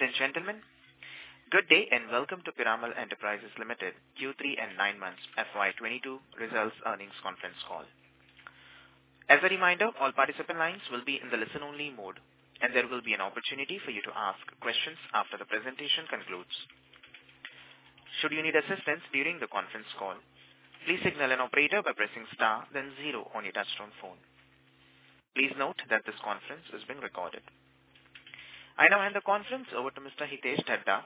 Ladies and gentlemen, good day and welcome to Piramal Enterprises Limited Q3 and 9 months FY 2022 results earnings conference call. As a reminder, all participant lines will be in the listen-only mode, and there will be an opportunity for you to ask questions after the presentation concludes. Should you need assistance during the conference call, please signal an operator by pressing star then zero on your touchtone phone. Please note that this conference is being recorded. I now hand the conference over to Mr. Hitesh Dhaddha,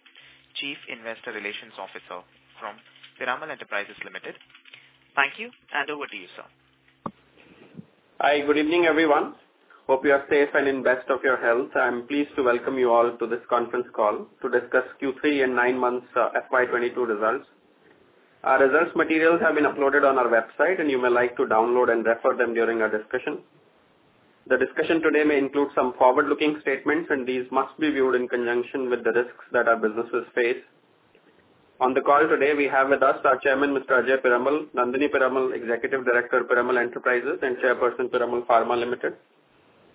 Chief Investor Relations Officer from Piramal Enterprises Limited. Thank you, and over to you, sir. Hi, good evening, everyone. Hope you are safe and in best of your health. I'm pleased to welcome you all to this conference call to discuss Q3 and nine months, FY 2022 results. Our results materials have been uploaded on our website, and you may like to download and refer them during our discussion. The discussion today may include some forward-looking statements, and these must be viewed in conjunction with the risks that our businesses face. On the call today, we have with us our Chairman, Mr. Ajay Piramal, Nandini Piramal, Executive Director of Piramal Enterprises and Chairperson, Piramal Pharma Limited,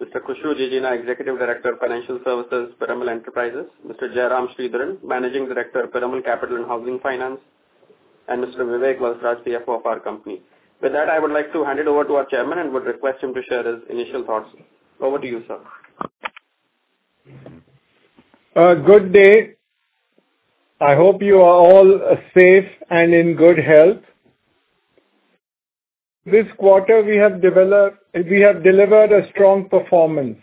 Mr. Khushru Jijina, Executive Director of Financial Services, Piramal Enterprises, Mr. Jairam Sridharan, Managing Director, Piramal Capital & Housing Finance, and Mr. Vivek Valsaraj, CFO of our company. With that, I would like to hand it over to our chairman and would request him to share his initial thoughts. Over to you, sir. Good day. I hope you are all safe and in good health. This quarter we have delivered a strong performance.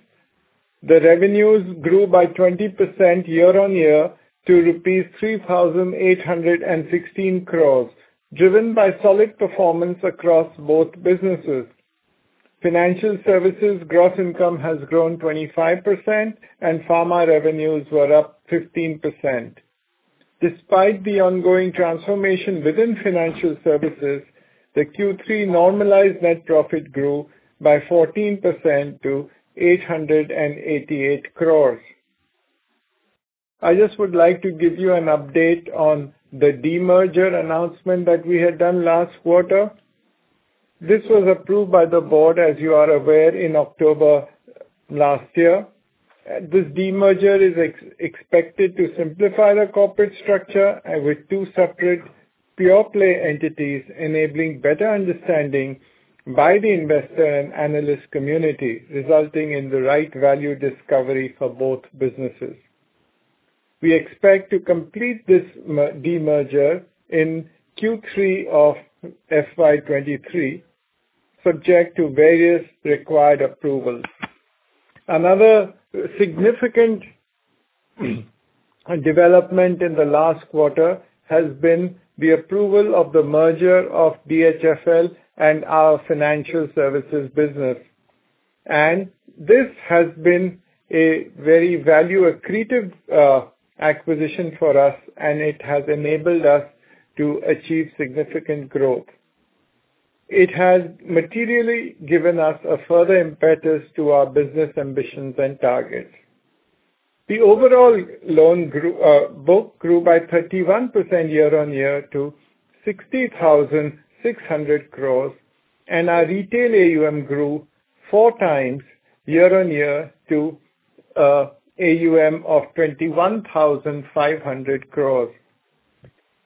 The revenues grew by 20% year-on-year to rupees 3,816 crores, driven by solid performance across both businesses. Financial services gross income has grown 25%, and pharma revenues were up 15%. Despite the ongoing transformation within financial services, the Q3 normalized net profit grew by 14% to 888 crores. I just would like to give you an update on the de-merger announcement that we had done last quarter. This was approved by the board, as you are aware, in October last year. This de-merger is expected to simplify the corporate structure, with two separate pure-play entities enabling better understanding by the investor and analyst community, resulting in the right value discovery for both businesses. We expect to complete this de-merger in Q3 of FY 2023, subject to various required approvals. Another significant development in the last quarter has been the approval of the merger of DHFL and our financial services business. This has been a very value-accretive acquisition for us, and it has enabled us to achieve significant growth. It has materially given us a further impetus to our business ambitions and targets. The overall loan book grew by 31% year-on-year to 60,600 crores, and our retail AUM grew 4 times year-on-year to AUM of 21,500 crores.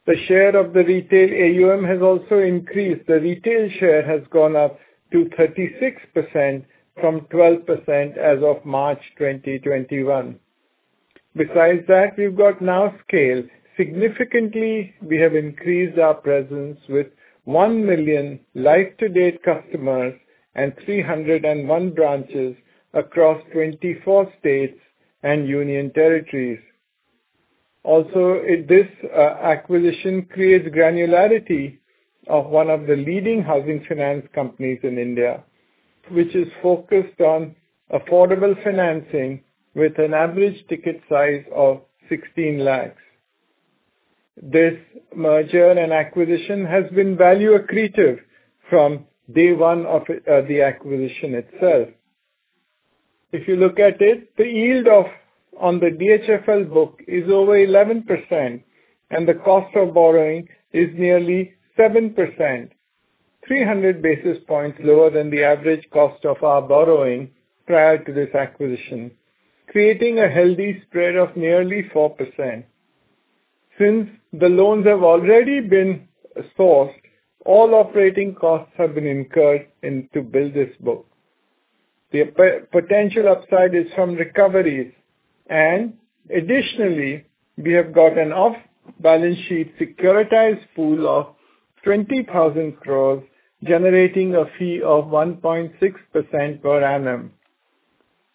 The share of the retail AUM has also increased. The retail share has gone up to 36% from 12% as of March 2021. Besides that, we've got now scale. Significantly, we have increased our presence with 1 million live-to-date customers and 301 branches across 24 states and union territories. Also, this acquisition creates granularity of one of the leading housing finance companies in India, which is focused on affordable financing with an average ticket size of 16 lakhs. This merger and acquisition has been value accretive from day one of the acquisition itself. If you look at it, the yield on the DHFL book is over 11%, and the cost of borrowing is nearly 7%. 300 basis points lower than the average cost of our borrowing prior to this acquisition, creating a healthy spread of nearly 4%. Since the loans have already been sourced, all operating costs have been incurred to build this book. The potential upside is from recoveries, and additionally, we have got an off-balance sheet securitized pool of 20,000 crore, generating a fee of 1.6% per annum.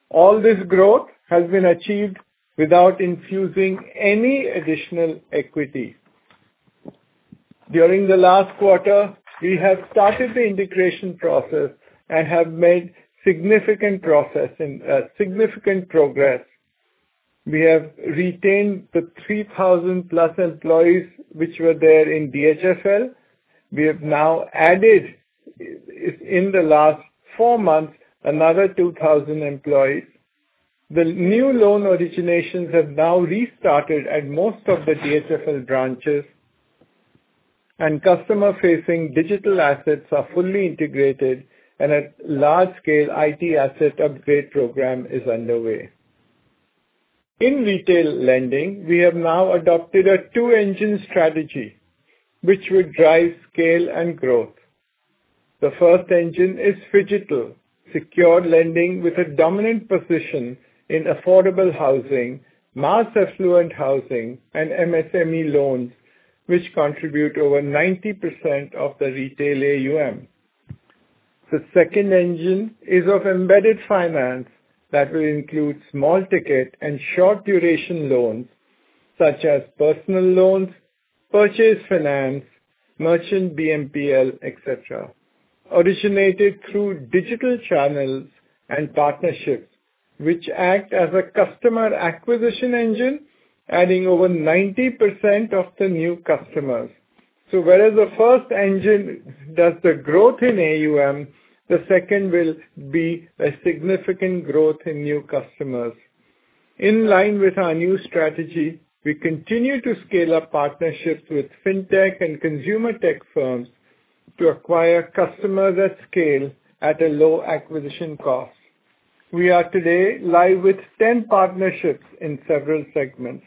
All this growth has been achieved without infusing any additional equity. During the last quarter, we have started the integration process and have made significant progress. We have retained the 3,000+ employees which were there in DHFL. We have now added in the last four months, another 2,000 employees. The new loan originations have now restarted at most of the DHFL branches. Customer-facing digital assets are fully integrated and a large-scale IT asset upgrade program is underway. In retail lending, we have now adopted a two-engine strategy which will drive scale and growth. The first engine is phygital, secured lending with a dominant position in affordable housing, mass affluent housing, and MSME loans, which contribute over 90% of the retail AUM. The second engine is of embedded finance that will include small ticket and short duration loans such as personal loans, purchase finance, merchant BNPL, et cetera, originated through digital channels and partnerships, which act as a customer acquisition engine, adding over 90% of the new customers. Whereas the first engine does the growth in AUM, the second will be a significant growth in new customers. In line with our new strategy, we continue to scale up partnerships with FinTech and consumer tech firms to acquire customers at scale at a low acquisition cost. We are today live with 10 partnerships in several segments.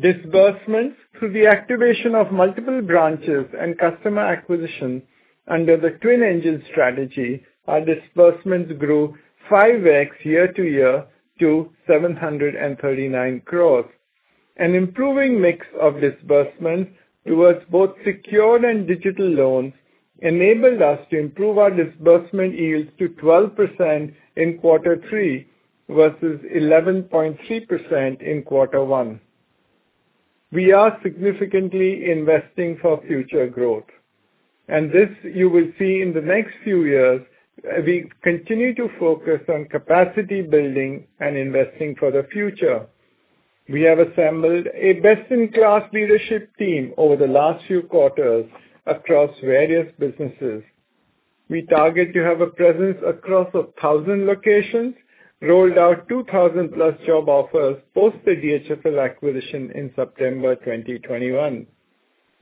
Disbursement. Through the activation of multiple branches and customer acquisition under the twin engine strategy, our disbursements grew 5x year-over-year to 739 crore. An improving mix of disbursement towards both secured and digital loans enabled us to improve our disbursement yields to 12% in quarter three versus 11.3% in quarter one. We are significantly investing for future growth, and this you will see in the next few years as we continue to focus on capacity building and investing for the future. We have assembled a best-in-class leadership team over the last few quarters across various businesses. We target to have a presence across 1,000 locations. We rolled out 2,000+ job offers post the DHFL acquisition in September 2021.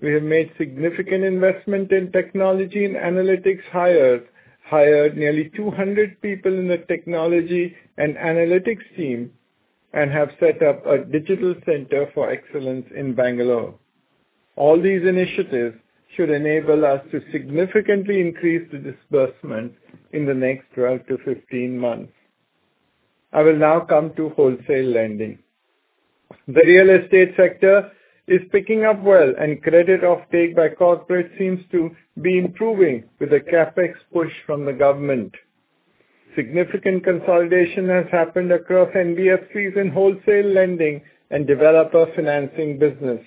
We have made significant investment in technology and analytics hires, hired nearly 200 people in the technology and analytics team, and have set up a digital center for excellence in Bangalore. All these initiatives should enable us to significantly increase the disbursement in the next 12-15 months. I will now come to wholesale lending. The real estate sector is picking up well, and credit offtake by corporate seems to be improving with a CapEx push from the government. Significant consolidation has happened across NBFCs in wholesale lending and developer financing business.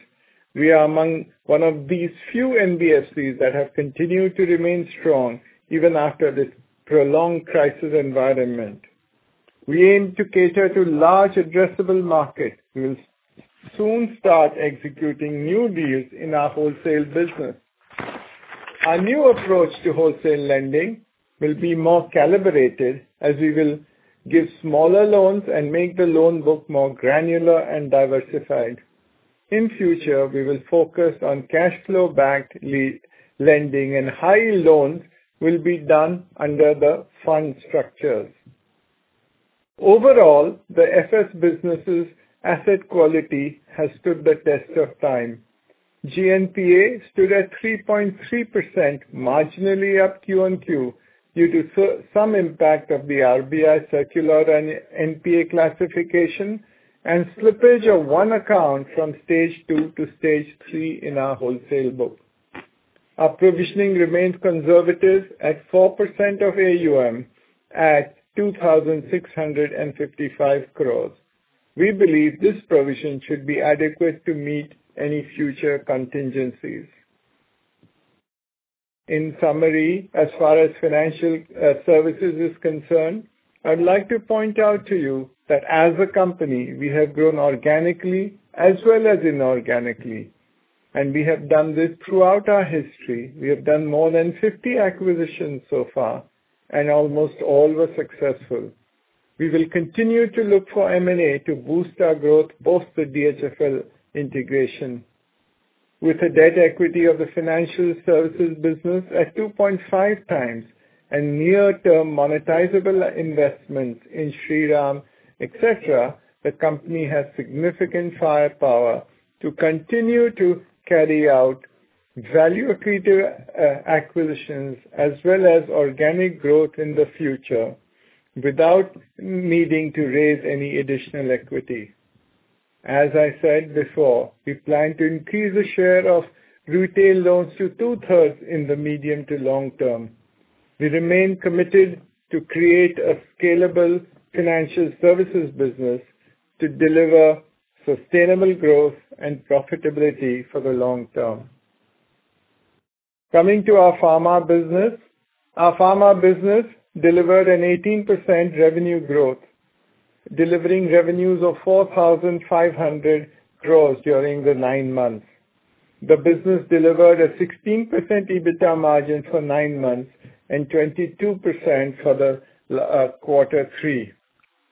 We are among one of these few NBFCs that have continued to remain strong even after this prolonged crisis environment. We aim to cater to large addressable markets. We will soon start executing new deals in our wholesale business. Our new approach to wholesale lending will be more calibrated, as we will give smaller loans and make the loan book more granular and diversified. In future, we will focus on cash flow backed lead lending, and high loans will be done under the fund structures. Overall, the FS business' asset quality has stood the test of time. GNPA stood at 3.3%, marginally up QoQ due to some impact of the RBI circular and NPA classification and slippage of one account from stage two to stage three in our wholesale book. Our provisioning remains conservative at 4% of AUM at 2,655 crores. We believe this provision should be adequate to meet any future contingencies. In summary, as far as financial services is concerned, I'd like to point out to you that as a company, we have grown organically as well as inorganically, and we have done this throughout our history. We have done more than 50 acquisitions so far, and almost all were successful. We will continue to look for M&A to boost our growth post the DHFL integration. With the debt equity of the financial services business at 2.5 times and near-term monetizable investments in Shriram, et cetera, the company has significant firepower to continue to carry out value accretive acquisitions as well as organic growth in the future without needing to raise any additional equity. As I said before, we plan to increase the share of retail loans to two-thirds in the medium to long term. We remain committed to create a scalable financial services business to deliver sustainable growth and profitability for the long term. Coming to our pharma business. Our pharma business delivered an 18% revenue growth, delivering revenues of 4,500 crores during the nine months. The business delivered a 16% EBITDA margin for nine months and 22% for the Q3.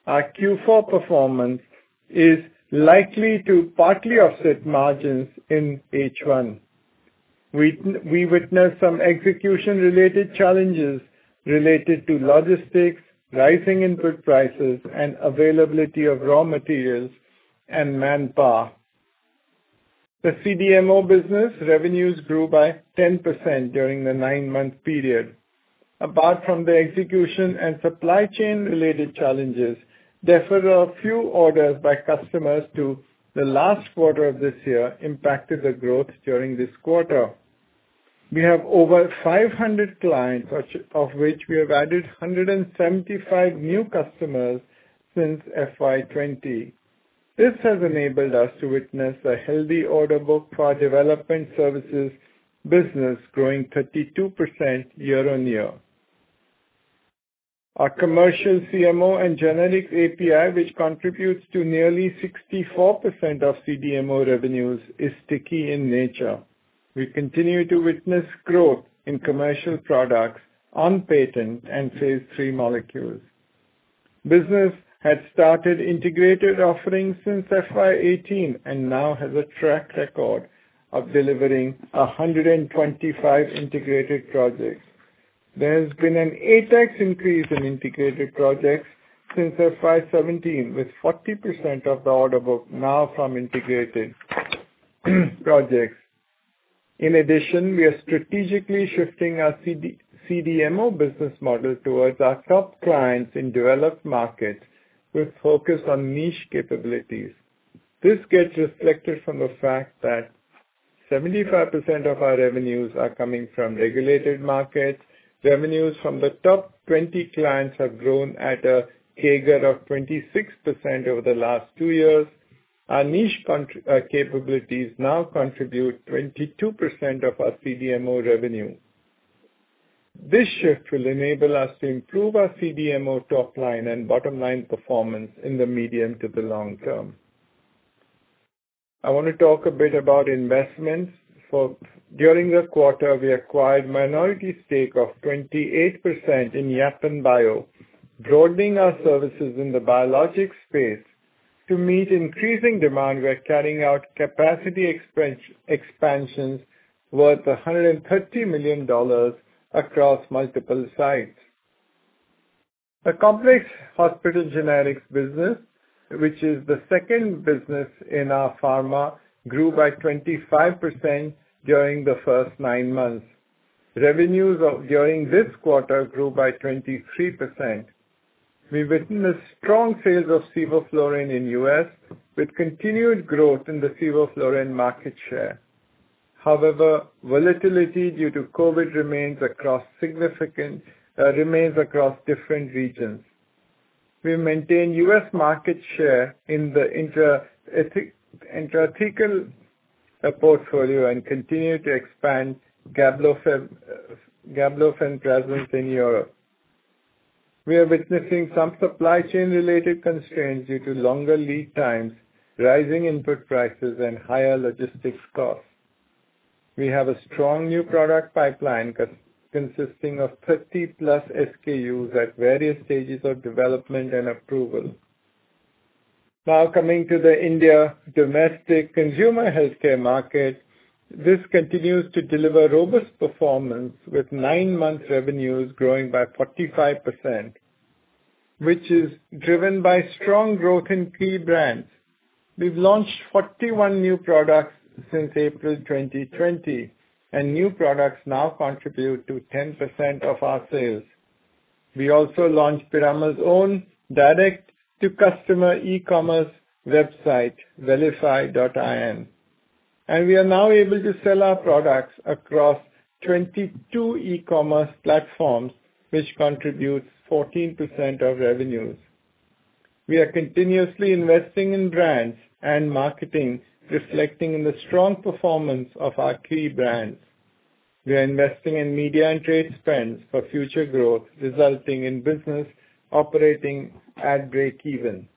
Our Q4 performance is likely to partly offset margins in H1. We witnessed some execution-related challenges related to logistics, rising input prices, and availability of raw materials and manpower. The CDMO business revenues grew by 10% during the nine-month period. Apart from the execution and supply chain related challenges, deferral of few orders by customers to the last quarter of this year impacted the growth during this quarter. We have over 500 clients, which... Of which we have added 175 new customers since FY 2020. This has enabled us to witness a healthy order book for our development services business growing 32% year-on-year. Our commercial CMO and generics API, which contributes to nearly 64% of CDMO revenues, is sticky in nature. We continue to witness growth in commercial products on patent and phase III molecules. Business had started integrated offerings since FY 2018 and now has a track record of delivering 125 integrated projects. There has been an 8x increase in integrated projects since FY 2017, with 40% of the order book now from integrated projects. In addition, we are strategically shifting our CD-CDMO business model towards our top clients in developed markets with focus on niche capabilities. This gets reflected from the fact that 75% of our revenues are coming from regulated markets. Revenues from the top 20 clients have grown at a CAGR of 26% over the last two years. Our niche capabilities now contribute 22% of our CDMO revenue. This shift will enable us to improve our CDMO top line and bottom-line performance in the medium to the long term. I wanna talk a bit about investments. During the quarter, we acquired minority stake of 28% in Yapan Bio, broadening our services in the biologics space. To meet increasing demand, we are carrying out capacity expansions worth $130 million across multiple sites. The complex hospital generics business, which is the second business in our pharma, grew by 25% during the first nine months. Revenues during this quarter grew by 23%. We've witnessed strong sales of sevoflurane in U.S., with continued growth in the sevoflurane market share. However, volatility due to COVID remains across different regions. We maintain U.S. market share in the intrathecal portfolio and continue to expand Gablofen gabapentin presence in Europe. We are witnessing some supply chain related constraints due to longer lead times, rising input prices and higher logistics costs. We have a strong new product pipeline consisting of 30+ SKUs at various stages of development and approval. Now coming to the India domestic consumer healthcare market. This continues to deliver robust performance with nine-month revenues growing by 45%, which is driven by strong growth in key brands. We've launched 41 new products since April 2020, and new products now contribute to 10% of our sales. We also launched Piramal's own direct to customer e-commerce website, wellify.in, and we are now able to sell our products across 22 e-commerce platforms, which contributes 14% of revenues. We are continuously investing in brands and marketing, reflecting in the strong performance of our key brands. We are investing in media and trade spends for future growth, resulting in business operating at breakeven.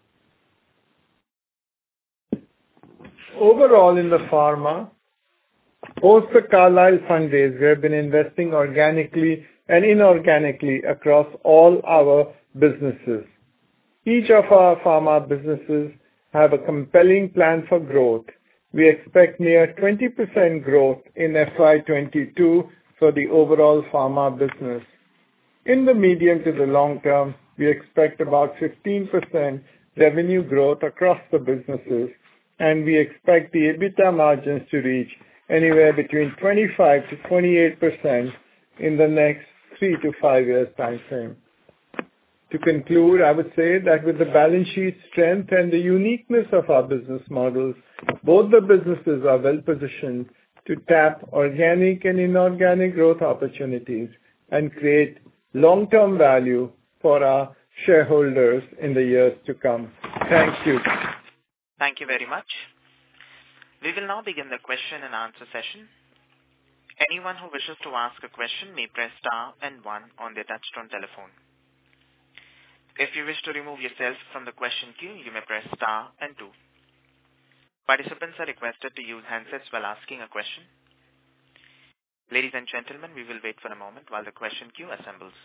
Overall, in the pharma, post the Carlyle fundraise, we have been investing organically and inorganically across all our businesses. Each of our pharma businesses have a compelling plan for growth. We expect near 20% growth in FY 2022 for the overall pharma business. In the medium to the long term, we expect about 15% revenue growth across the businesses, and we expect the EBITDA margins to reach anywhere between 25%-28% in the next 3-5 years timeframe. To conclude, I would say that with the balance sheet strength and the uniqueness of our business models, both the businesses are well positioned to tap organic and inorganic growth opportunities and create long-term value for our shareholders in the years to come. Thank you. Thank you very much. We will now begin the question and answer session. Anyone who wishes to ask a question may press star and 1 on the touchtone telephone. If you wish to remove yourself from the question queue you may press star and 2. Participants are requested to use while asking a question. Ladies and gentlemen we will wait for a moment while the question queue assembles.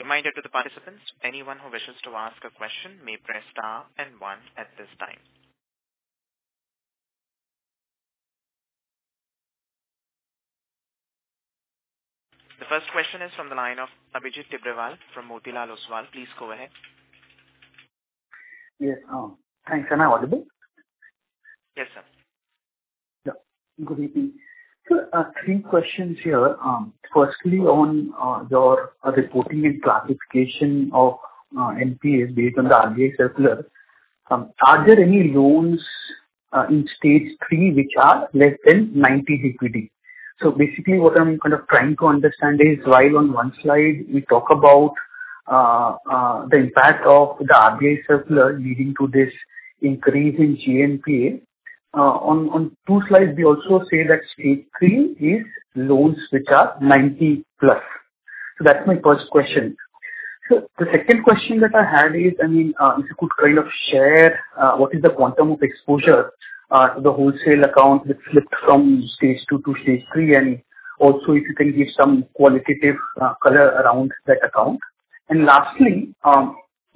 Reminder to the participants anyone who wishes to ask a question may press star and 1 at this time. The first question is from the line of Abhijit Tibrewal from Motilal Oswal. Please go ahead. Yes. Thanks. Am I audible? Yes, sir. Yeah. Good evening. Three questions here. Firstly, on your reporting and classification of NPAs based on the RBI circular, are there any loans in stage three which are less than 90 DPD? Basically, what I'm kind of trying to understand is, while on one slide we talk about the impact of the RBI circular leading to this increase in GNPA, on two slides we also say that stage three is loans which are 90+. That's my first question. The second question that I had is, I mean, if you could kind of share what is the quantum of exposure to the wholesale account which flipped from stage two to stage three, and also if you can give some qualitative color around that account. Lastly,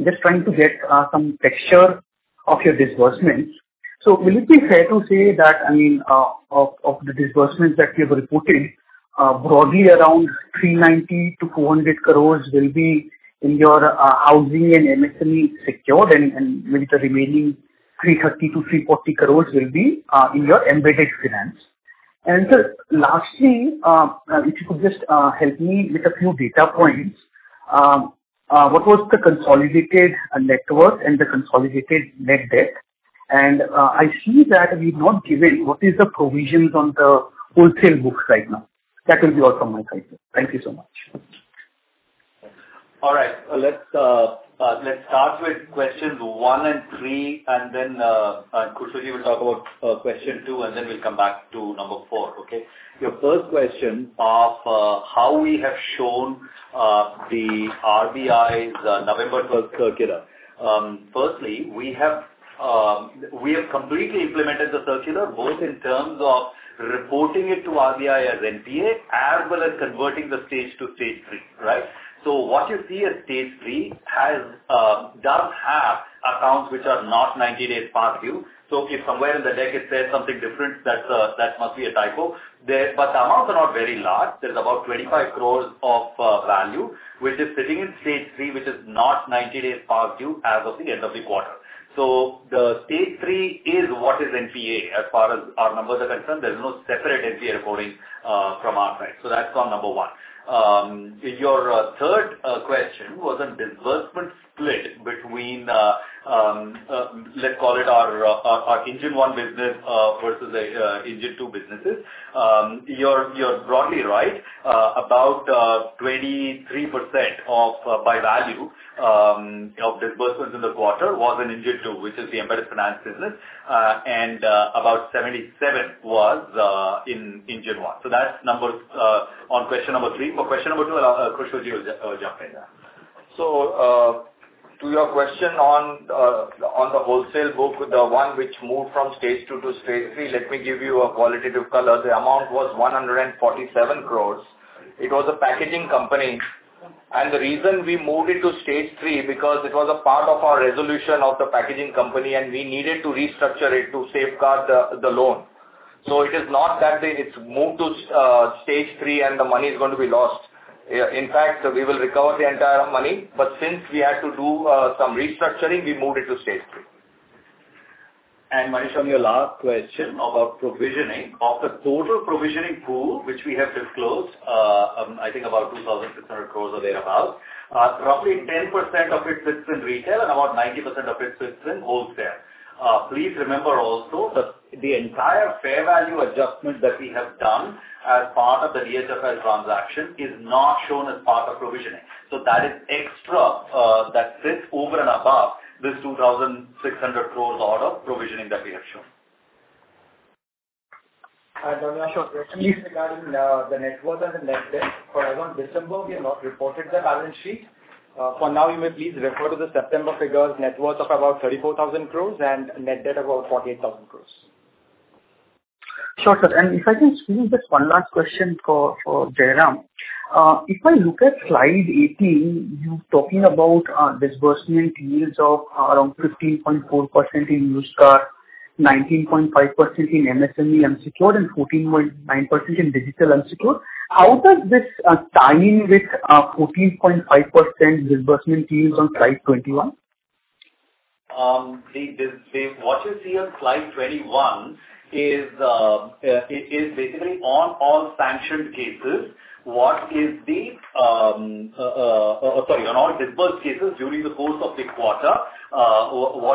just trying to get some picture of your disbursements. Will it be fair to say that, I mean, of the disbursements that you have reported, broadly around 390 crore-200 crore will be in your housing and MSME secured, and maybe the remaining 330 crore-340 crore will be in your embedded finance. Sir, lastly, if you could just help me with a few data points. What was the consolidated net worth and the consolidated net debt? I see that we've not given what is the provisions on the wholesale books right now. That will be all from my side, sir. Thank you so much. All right. Let's start with questions one and three, and then Khushru Jijina will talk about question two, and then we'll come back to number four. Okay? Your first question of how we have shown the RBI's November circular. Firstly, we have completely implemented the circular, both in terms of reporting it to RBI as NPA, as well as converting the stage two stage three, right? What you see as stage three does have accounts which are not 90 days past due. If somewhere in the deck it says something different, that must be a typo. The amounts are not very large. There's about 25 crores of value which is sitting in stage three, which is not 90 days past due as of the end of the quarter. The stage three is what is NPA. As far as our numbers are concerned, there's no separate NPA reporting from our side. That's on number one. Your third question was on disbursement split between, let's call it our engine one business versus engine two businesses. You're broadly right. About 23% of by value of disbursements in the quarter was in engine two, which is the embedded finance business. And about 77% was in engine one. That's number on question number 3. For question number 2, Khushru Jijina will jump in. To your question on the wholesale book, the one which moved from stage two to stage three, let me give you a qualitative color. The amount was 147 crore. It was a packaging company. The reason we moved it to stage three, because it was a part of our resolution of the packaging company, and we needed to restructure it to safeguard the loan. It is not that it's moved to stage three and the money is going to be lost. In fact, we will recover the entire money, but since we had to do some restructuring, we moved it to Stage III. Abhijit, on your last question about provisioning. Of the total provisioning pool which we have disclosed, I think about 2,600 crore or thereabout, roughly 10% of it sits in retail and about 90% of it sits in wholesale. Please remember also that the entire fair value adjustment that we have done as part of the DHFL transaction is not shown as part of provisioning. That is extra, that sits over and above this 2,600 crore of the provisioning that we have shown. I have another question. Sure, please. Regarding the net worth and the net debt. As on December, we have not reported the balance sheet. For now you may please refer to the September figures. Net worth of about 34,000 crore and net debt about 48,000 crore. Sure, sir. If I can squeeze just one last question for Jairam. If I look at slide 18, you're talking about disbursement yields of around 15.4% in used car, 19.5% in MSME unsecured, and 14.9% in digital unsecured. How does this tie in with 14.5% disbursement yields on slide 21? What you see on slide 21 is basically the averages on all disbursed cases during the course of the quarter. You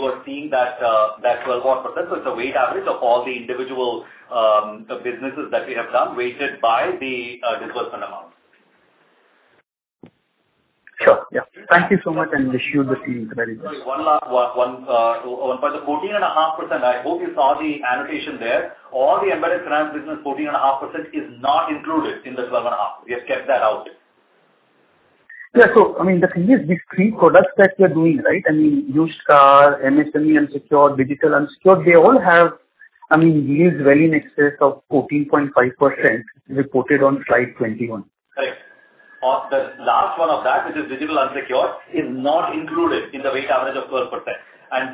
are seeing that 12%. It's a weighted average of all the individual businesses that we have done, weighted by the disbursement amount. Yeah. Thank you so much, and wish you the same. Very best. Sorry, one last one. One point. The 14.5%, I hope you saw the annotation there. All the embedded finance business, 14.5%, is not included in the 12.5. We have kept that out. Yeah. I mean, the thing is these three products that we are doing, right? I mean, used car, MSME unsecured, digital unsecured, they all have, I mean, yields well in excess of 14.5% reported on slide 21. Correct. Of the last one of that, which is digital unsecured, is not included in the weighted average of 12%.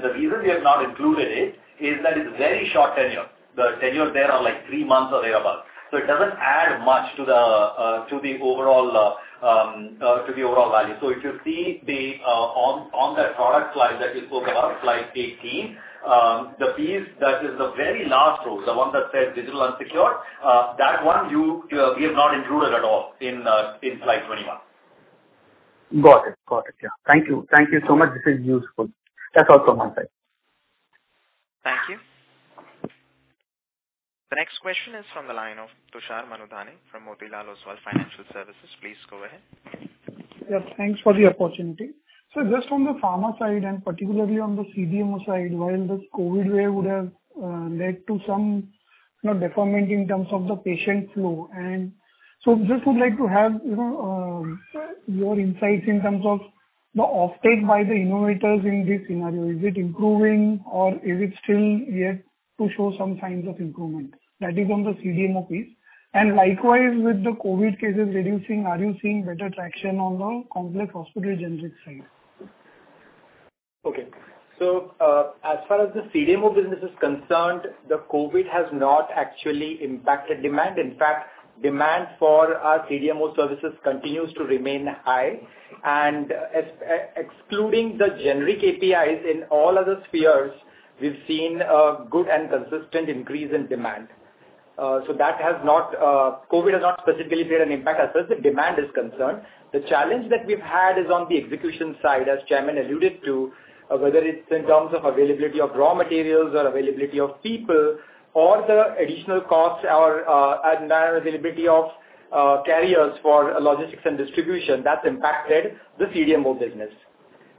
The reason we have not included it is that it's very short tenure. The tenure there, like, three months or thereabout. It doesn't add much to the overall value. If you see, on that product slide that you spoke about, slide 18, the piece that is the very last row, the one that says digital unsecured, that one we have not included at all in slide 21. Got it, yeah. Thank you so much. This is useful. That's all from my side. Thank you. The next question is from the line of Tushar Manudhane from Motilal Oswal Financial Services. Please go ahead. Yeah, thanks for the opportunity. Just from the pharma side and particularly on the CDMO side, while this COVID wave would have led to some, you know, decrement in terms of the patient flow. I just would like to have, you know, your insights in terms of the offtake by the innovators in this scenario. Is it improving or is it still yet to show some signs of improvement? That is on the CDMO piece. Likewise, with the COVID cases reducing, are you seeing better traction on the complex hospital generic side? As far as the CDMO business is concerned, the COVID has not actually impacted demand. In fact, demand for our CDMO services continues to remain high. Excluding the generic APIs in all other spheres, we've seen a good and consistent increase in demand. COVID has not specifically made an impact as far as the demand is concerned. The challenge that we've had is on the execution side, as the Chairman alluded to, whether it's in terms of availability of raw materials, availability of people, the additional costs, or availability of carriers for logistics and distribution, that's impacted the CDMO business.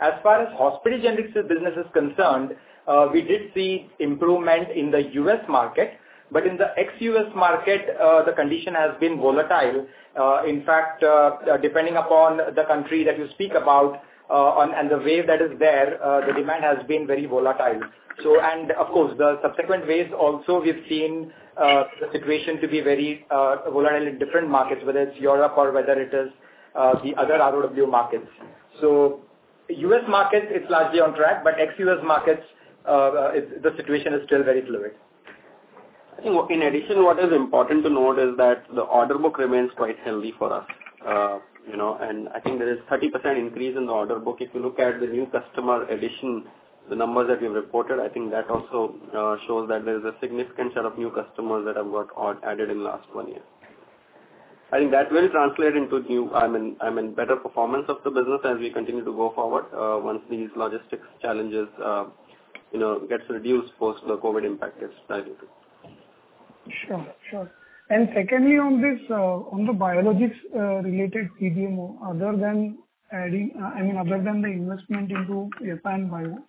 As far as hospital generics business is concerned, we did see improvement in the U.S. market. In the ex-U.S. market, the condition has been volatile. In fact, depending upon the country that you speak about and the wave that is there, the demand has been very volatile. Of course, the subsequent waves also we've seen the situation to be very volatile in different markets, whether it's Europe or whether it is the other ROW markets. U.S. market, it's largely on track, but ex-U.S. markets, the situation is still very fluid. I think in addition, what is important to note is that the order book remains quite healthy for us. I think there is 30% increase in the order book. If you look at the new customer addition, the numbers that we've reported, I think that also shows that there is a significant set of new customers that have added in last one year. I think that will translate into better performance of the business as we continue to go forward, once these logistics challenges gets reduced post the COVID impact gets subsided. Sure. Secondly, on this, on the biologics related CDMO, other than adding, I mean, other than the investment into Yapan Bio,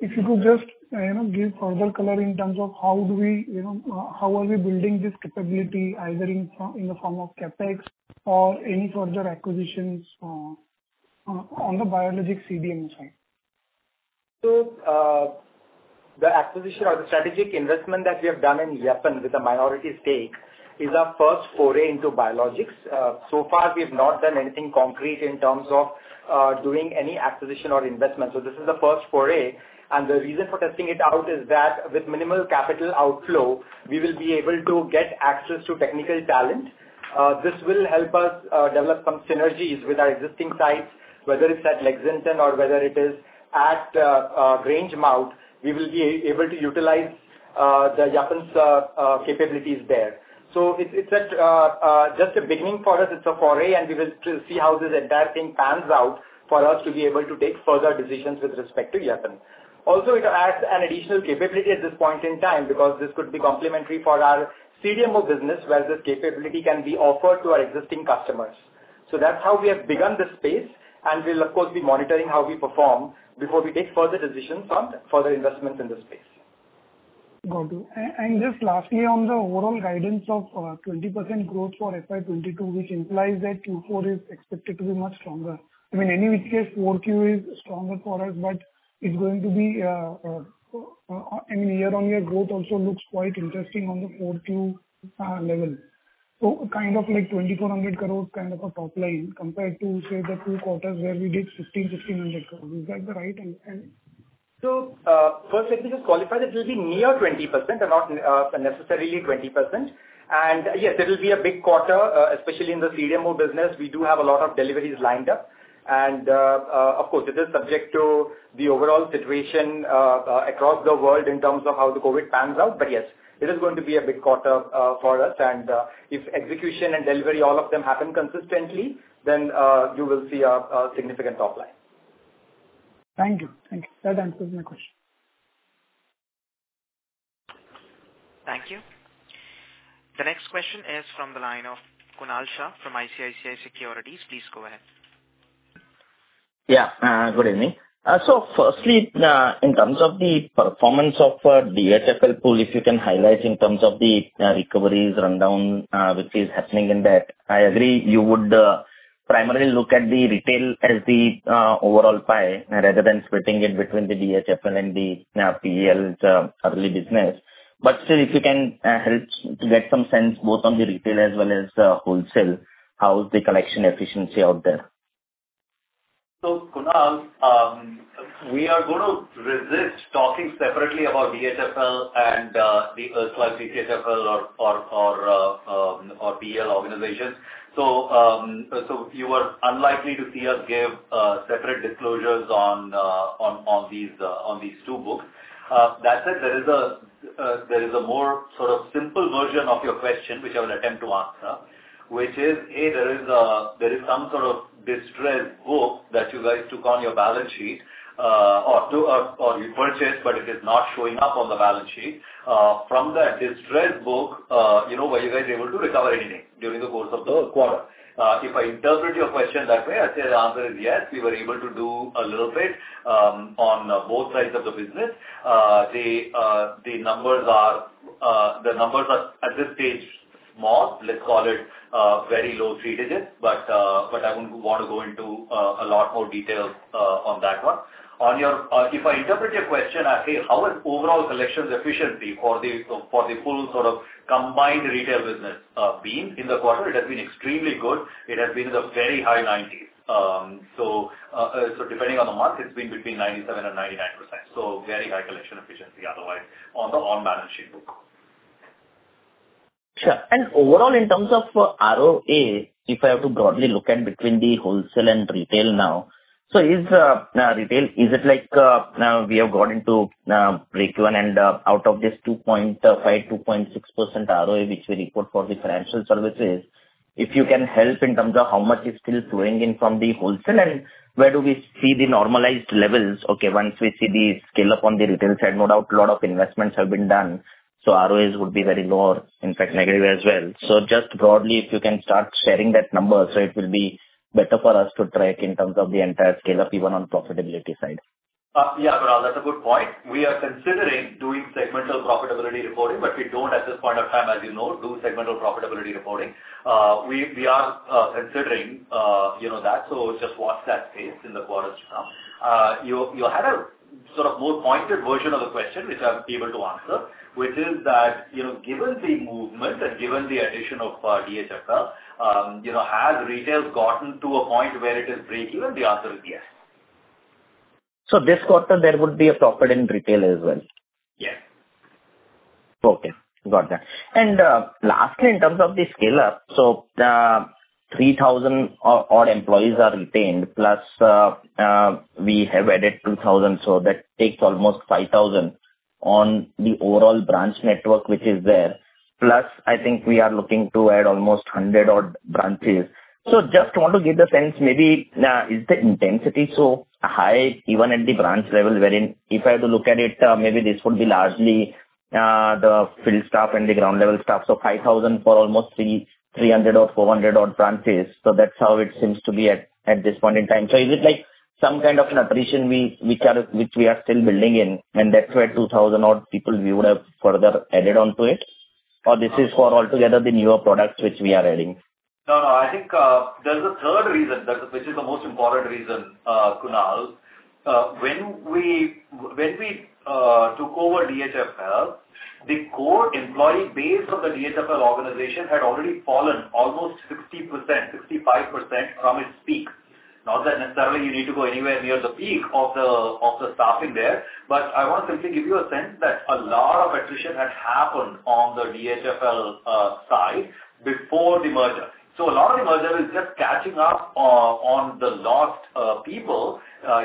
if you could just, you know, give further color in terms of how do we, you know, how are we building this capability either in the form of CapEx or any further acquisitions, on the biologic CDMO side? The acquisition or the strategic investment that we have done in Yapan with a minority stake is our first foray into biologics. So far we've not done anything concrete in terms of doing any acquisition or investment. This is the first foray. The reason for testing it out is that with minimal capital outflow, we will be able to get access to technical talent. This will help us develop some synergies with our existing sites, whether it's at Lexington or whether it is at Grangemouth. We will be able to utilize the Yapan's capabilities there. It's just a beginning for us. It's a foray, and we will see how this entire thing pans out for us to be able to take further decisions with respect to Yapan. Also, it adds an additional capability at this point in time because this could be complementary for our CDMO business, where this capability can be offered to our existing customers. That's how we have begun this space. We'll of course, be monitoring how we perform before we take further decisions on further investments in this space. Got you. Just lastly on the overall guidance of 20% growth for FY 2022, which implies that Q4 is expected to be much stronger. I mean, any which case, Q4 is stronger for us, but it's going to be I mean, year-on-year growth also looks quite interesting on the Q4 level. Kind of like 2,400 crore kind of a top line compared to, say, the two quarters where we did 1,600 crore. Is that righT UNDERSTANDING? First let me just qualify that it will be near 20% and not necessarily 20%. Yes, it'll be a big quarter, especially in the CDMO business. We do have a lot of deliveries lined up. Of course, this is subject to the overall situation across the world in terms of how the COVID pans out. Yes, it is going to be a big quarter for us. If execution and delivery, all of them happen consistently, then you will see a significant top line. Thank you. That answers my question. Thank you the next question is from the line of Kunal Shah from ICICI Securities. Please go ahead. Yeah. Good evening. Firstly, in terms of the performance of DHFL pool, if you can highlight in terms of the recoveries rundown, which is happening in that. I agree you would primarily look at the retail as the overall pie, rather than splitting it between the DHFL and the PEL early business. Still, if you can help to get some sense both on the retail as well as wholesale, how is the collection efficiency out there? Kunal, we are gonna resist talking separately about DHFL and the erstwhile DHFL or PEL organization. You are unlikely to see us give separate disclosures on these two books. That said, there is a more sort of simple version of your question, which I will attempt to answer, which is, A, there is some sort of distressed book that you guys took on your balance sheet or you purchased, but it is not showing up on the balance sheet. From that distressed book, you know, were you guys able to recover anything during the course of the quarter? If I interpret your question that way, I'd say the answer is yes. We were able to do a little bit on both sides of the business. The numbers are at this stage small. Let's call it very low three digits. I wouldn't want to go into a lot more details on that one. On your... If I interpret your question as, "Hey, how is overall collections efficiency for the full sort of combined retail business been in the quarter?" It has been extremely good. It has been in the very high 90s. Depending on the month, it's been between 97%-99%. Very high collection efficiency otherwise on the on-balance sheet book. Sure. Overall, in terms of ROA, if I have to broadly look at between the wholesale and retail now, so is retail, is it like now we have got into breakeven and out of this 2.5%-2.6% ROA, which we report for the financial services, if you can help in terms of how much is still flowing in from the wholesale and where do we see the normalized levels? Okay, once we see the scale up on the retail side, no doubt a lot of investments have been done, so ROAs would be very low or in fact negative as well. Just broadly, if you can start sharing that number, so it will be better for us to track in terms of the entire scale up even on profitability side. Yeah, Kunal, that's a good point. We are considering doing segmental profitability reporting, but we don't at this point of time, as you know, do segmental profitability reporting. We are considering, you know that, so just watch that space in the quarters to come. You had a sort of more pointed version of the question, which I'm able to answer, which is that, you know, given the movement and given the addition of DHFL, you know, has retail gotten to a point where it is breakeven? The answer is yes. This quarter there would be a profit in retail as well? Yes. Okay, got that. Lastly, in terms of the scale up, 3,000-odd employees are retained, plus, we have added 2,000, so that takes almost 5,000 on the overall branch network, which is there. Plus I think we are looking to add almost 100-odd branches. Just want to get the sense maybe, is the intensity so high even at the branch level, wherein if I have to look at it, maybe this would be largely, the field staff and the ground level staff. 5,000 for almost 300 or 400-odd branches. That's how it seems to be at this point in time. Is it like some kind of an attrition which we are still building in, and that's why 2000-odd people we would have further added on to it? Or this is for altogether the newer products which we are adding? No, no. I think there's a third reason that, which is the most important reason, Kunal. When we took over DHFL, the core employee base of the DHFL organization had already fallen almost 60%, 65% from its peak. Not that necessarily you need to go anywhere near the peak of the staffing there. I want to simply give you a sense that a lot of attrition had happened on the DHFL side before the merger. A lot of the merger is just catching up on the lost people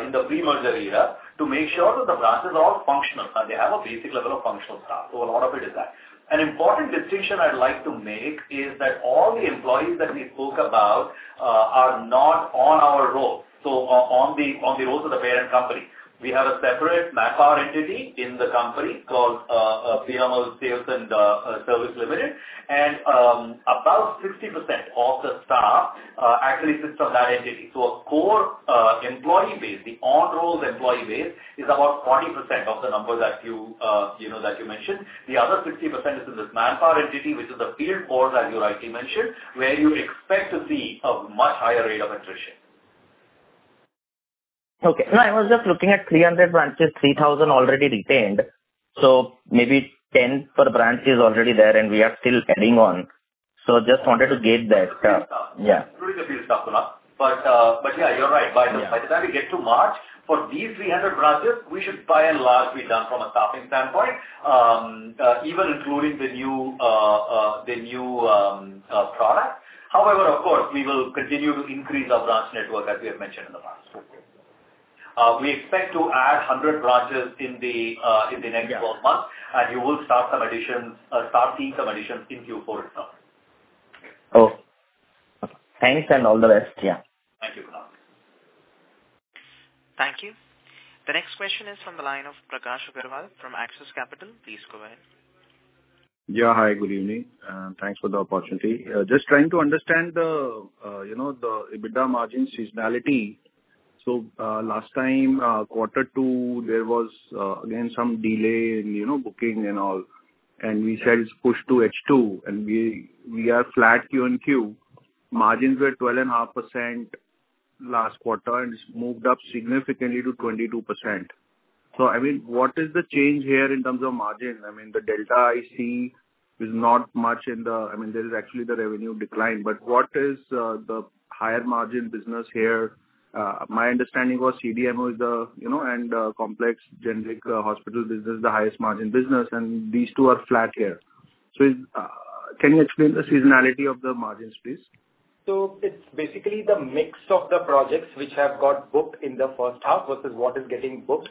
in the pre-merger era to make sure that the branch is all functional. They have a basic level of functional staff, so a lot of it is that. An important distinction I'd like to make is that all the employees that we spoke about are not on our roll on the rolls of the parent company. We have a separate manpower entity in the company called PMO Sales and Service Limited. About 60% of the staff actually sits on that entity. A core employee base, the on-rolls employee base is about 40% of the number that you mentioned. The other 60% is in this manpower entity, which is a field force, as you rightly mentioned, where you expect to see a much higher rate of attrition. Okay. No, I was just looking at 300 branches, 3,000 already retained, so maybe 10 per branch is already there and we are still adding on. Just wanted to gauge that. Yeah. Yeah. Including the field staff, Kunal. Yeah, you're right. Yeah. By the time we get to March, for these 300 branches, we should be by and large done from a staffing standpoint, even including the new product. However, of course, we will continue to increase our branch network as we have mentioned in the past. Okay. We expect to add 100 branches in the next 12 months, and you will start seeing some additions in Q4 itself. Oh, okay. Thanks and all the best. Yeah. Next question is from the line of Prakash Agarwal from Axis Capital. Please go ahead. Yeah. Hi, good evening. Thanks for the opportunity. Just trying to understand the, you know, the EBITDA margin seasonality. Last time, Q2, there was again some delay in, you know, booking and all, and we said it's pushed to H2. We are flat QoQ. Margins were 12.5% last quarter and it's moved up significantly to 22%. I mean, what is the change here in terms of margin? I mean, the delta I see is not much in the, I mean, there is actually the revenue decline. What is the higher margin business here? My understanding was CDMO is the, you know, and complex generic hospital business is the highest margin business, and these two are flat here. Can you explain the seasonality of the margins, please? It's basically the mix of the projects which have got booked in the first half versus what is getting booked.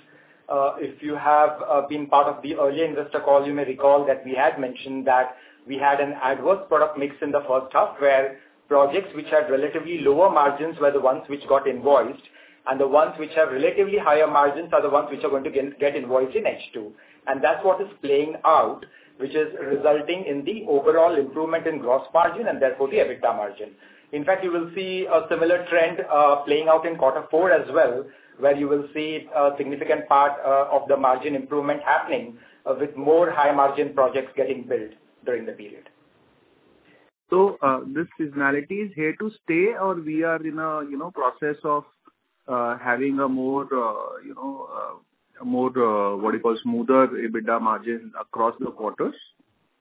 If you have been part of the early investor call, you may recall that we had mentioned that we had an adverse product mix in the first half, where projects which had relatively lower margins were the ones which got invoiced, and the ones which have relatively higher margins are the ones which are going to get invoiced in H2. That's what is playing out, which is resulting in the overall improvement in gross margin and therefore the EBITDA margin. In fact, you will see a similar trend playing out in quarter four as well, where you will see a significant part of the margin improvement happening with more high margin projects getting billed during the period. This seasonality is here to stay or we are in a, you know, process of having a more, you know, what do you call, smoother EBITDA margin across the quarters?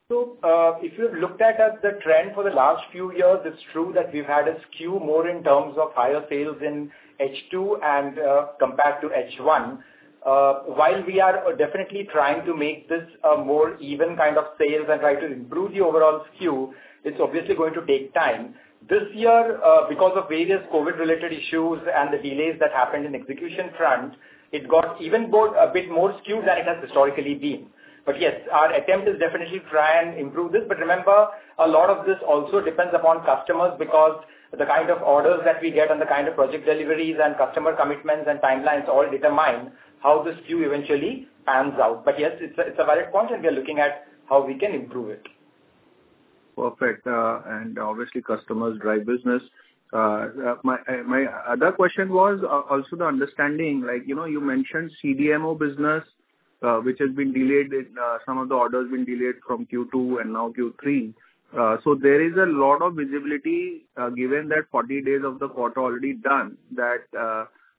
If you looked at the trend for the last few years, it's true that we've had a skew more in terms of higher sales in H2 and compared to H1. While we are definitely trying to make this a more even kind of sales and try to improve the overall skew, it's obviously going to take time. This year, because of various COVID-related issues and the delays that happened on the execution front, it got even a bit more skewed than it has historically been. Yes, our attempt is definitely to try and improve this. Remember, a lot of this also depends upon customers because the kind of orders that we get and the kind of project deliveries and customer commitments and timelines all determine how the skew eventually pans out. Yes, it's a valid point, and we are looking at how we can improve it. Perfect. Obviously customers drive business. My other question was also the understanding, like, you know, you mentioned CDMO business, which has been delayed in some of the orders being delayed from Q2 and now Q3. There is a lot of visibility, given that 40 days of the quarter already done, that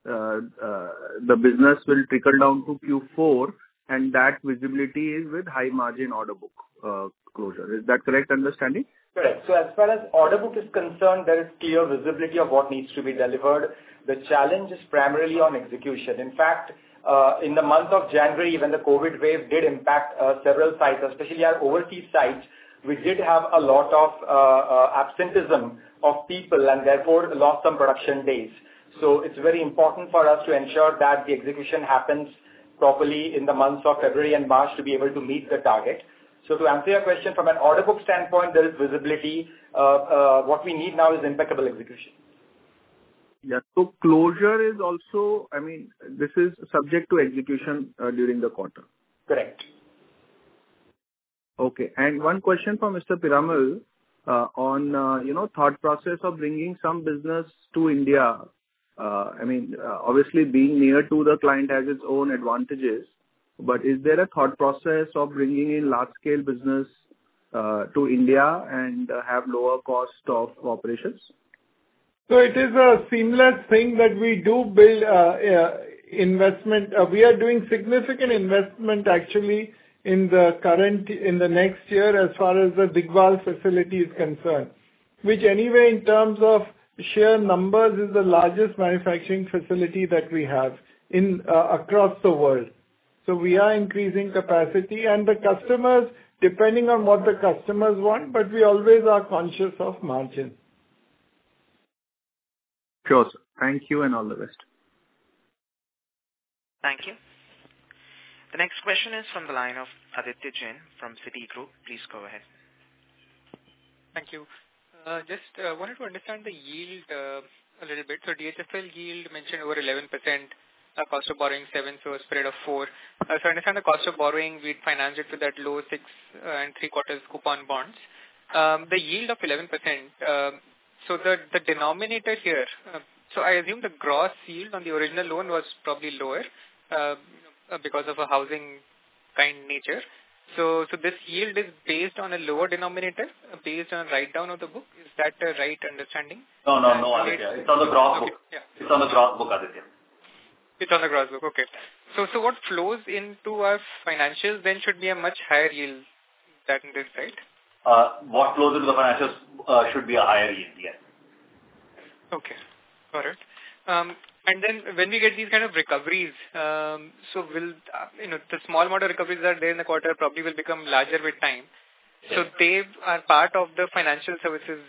the business will trickle down to Q4, and that visibility is with high margin order book closure. Is that correct understanding? Correct. As far as order book is concerned, there is clear visibility of what needs to be delivered. The challenge is primarily on execution. In fact, in the month of January, when the COVID wave did impact, several sites, especially our overseas sites, we did have a lot of, absenteeism of people and therefore lost some production days. It's very important for us to ensure that the execution happens properly in the months of February and March to be able to meet the target. To answer your question, from an order book standpoint, there is visibility. What we need now is impeccable execution. Closure is also, I mean, this is subject to execution during the quarter. Correct. Okay. One question for Mr. Piramal, on, you know, thought process of bringing some business to India. I mean, obviously being near to the client has its own advantages, but is there a thought process of bringing in large scale business, to India and have lower cost of operations? It is a seamless thing that we do build investment. We are doing significant investment actually in the current, in the next year as far as the Digwal facility is concerned. Which anyway in terms of sheer numbers is the largest manufacturing facility that we have across the world. We are increasing capacity and the customers, depending on what the customers want, but we always are conscious of margin. Sure, sir. Thank you and all the best. Thank you. The next question is from the line of Aditya Jain from Citigroup. Please go ahead. Thank you. Just wanted to understand the yield a little bit. DHFL yield mentioned over 11%, cost of borrowing 7%, so a spread of 4%. I understand the cost of borrowing we'd finance it to that low 6 and 3/4 coupon bonds. The yield of 11%, so the denominator here, I assume the gross yield on the original loan was probably lower because of a housing finance nature. This yield is based on a lower denominator based on write down of the book. Is that the right understanding? No, no, Aditya. It's on the gross book. Okay. Yeah. It's on the gross book, Aditya. It's on the gross book. Okay. What flows into our financials then should be a much higher yield than this, right? What flows into the financials should be a higher yield. Yes. Okay. Got it. When we get these kind of recoveries, so we'll, you know, the small amount of recoveries that are there in the quarter probably will become larger with time. Yes. They are part of the financial services,